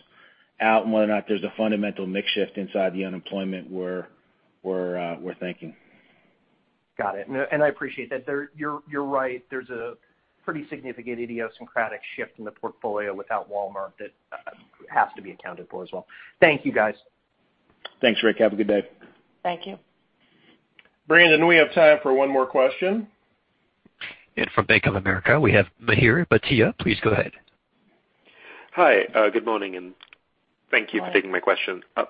out and whether or not there's a fundamental mix shift inside the unemployment we're thinking. Got it. I appreciate that. You're right. There's a pretty significant idiosyncratic shift in the portfolio without Walmart that has to be accounted for as well. Thank you, guys. Thanks, Rich. Have a good day. Thank you. Brandon, we have time for one more question. From Bank of America, we have Mihir Bhatia. Please go ahead. Hi. Good morning, and thank you for taking my question. Hi.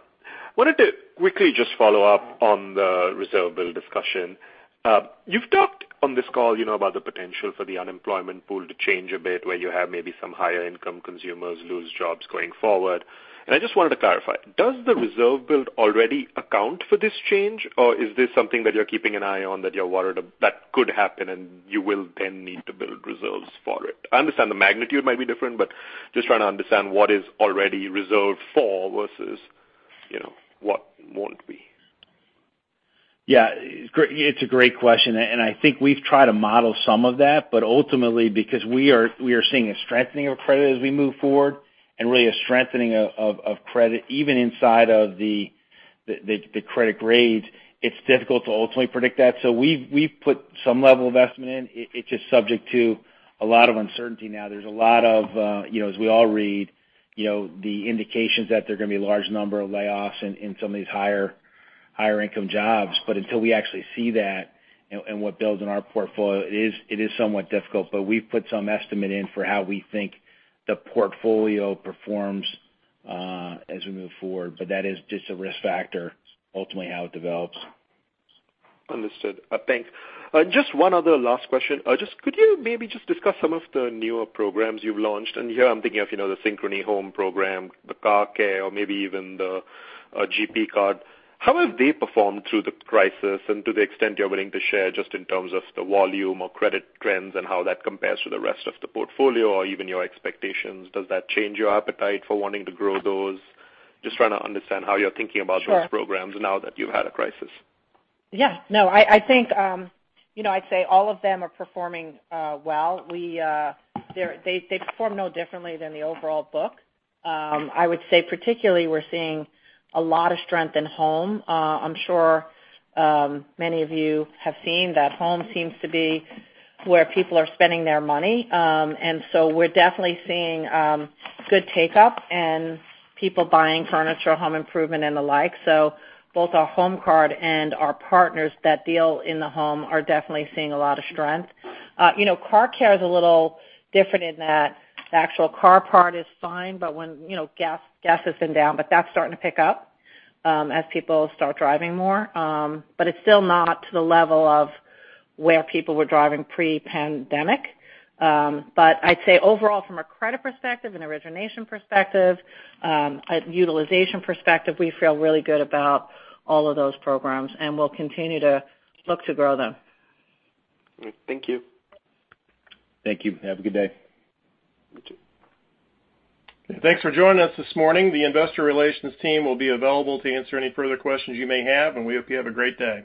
wanted to quickly just follow up on the reserve build discussion. You've talked on this call about the potential for the unemployment pool to change a bit, where you have maybe some higher income consumers lose jobs going forward. I just wanted to clarify, does the reserve build already account for this change? Is this something that you're keeping an eye on that you're worried that could happen and you will then need to build reserves for it? I understand the magnitude might be different, but just trying to understand what is already reserved for versus what won't be. It's a great question, and I think we've tried to model some of that. Ultimately, because we are seeing a strengthening of credit as we move forward and really a strengthening of credit even inside of the credit grades, it's difficult to ultimately predict that. We've put some level of estimate in. It's just subject to a lot of uncertainty now. There's a lot of, as we all read, the indications that there are going to be a large number of layoffs in some of these higher income jobs. Until we actually see that in what builds in our portfolio, it is somewhat difficult. We've put some estimate in for how we think the portfolio performs as we move forward. That is just a risk factor, ultimately how it develops. Understood. Thanks. Just one other last question. Could you maybe just discuss some of the newer programs you've launched? Here I'm thinking of the Synchrony HOME program, the Car Care, or maybe even the GP card. How have they performed through the crisis? To the extent you're willing to share just in terms of the volume or credit trends and how that compares to the rest of the portfolio or even your expectations, does that change your appetite for wanting to grow those? Just trying to understand how you're thinking about those programs now that you've had a crisis. Yeah, no, I'd say all of them are performing well. They perform no differently than the overall book. I would say particularly we're seeing a lot of strength in Home. I'm sure many of you have seen that Home seems to be where people are spending their money. We're definitely seeing good take-up and people buying furniture or home improvement and the like. Both our Synchrony HOME card and our partners that deal in the home are definitely seeing a lot of strength. Car care is a little different in that the actual car part is fine, gas has been down, but that's starting to pick up as people start driving more. It's still not to the level of where people were driving pre-pandemic. I'd say overall from a credit perspective and origination perspective, utilization perspective, we feel really good about all of those programs and we'll continue to look to grow them. Thank you. Thank you. Have a good day. You too. Thanks for joining us this morning. The investor relations team will be available to answer any further questions you may have, and we hope you have a great day.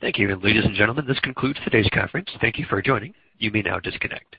Thank you. Ladies and gentlemen, this concludes today's conference. Thank you for joining. You may now disconnect.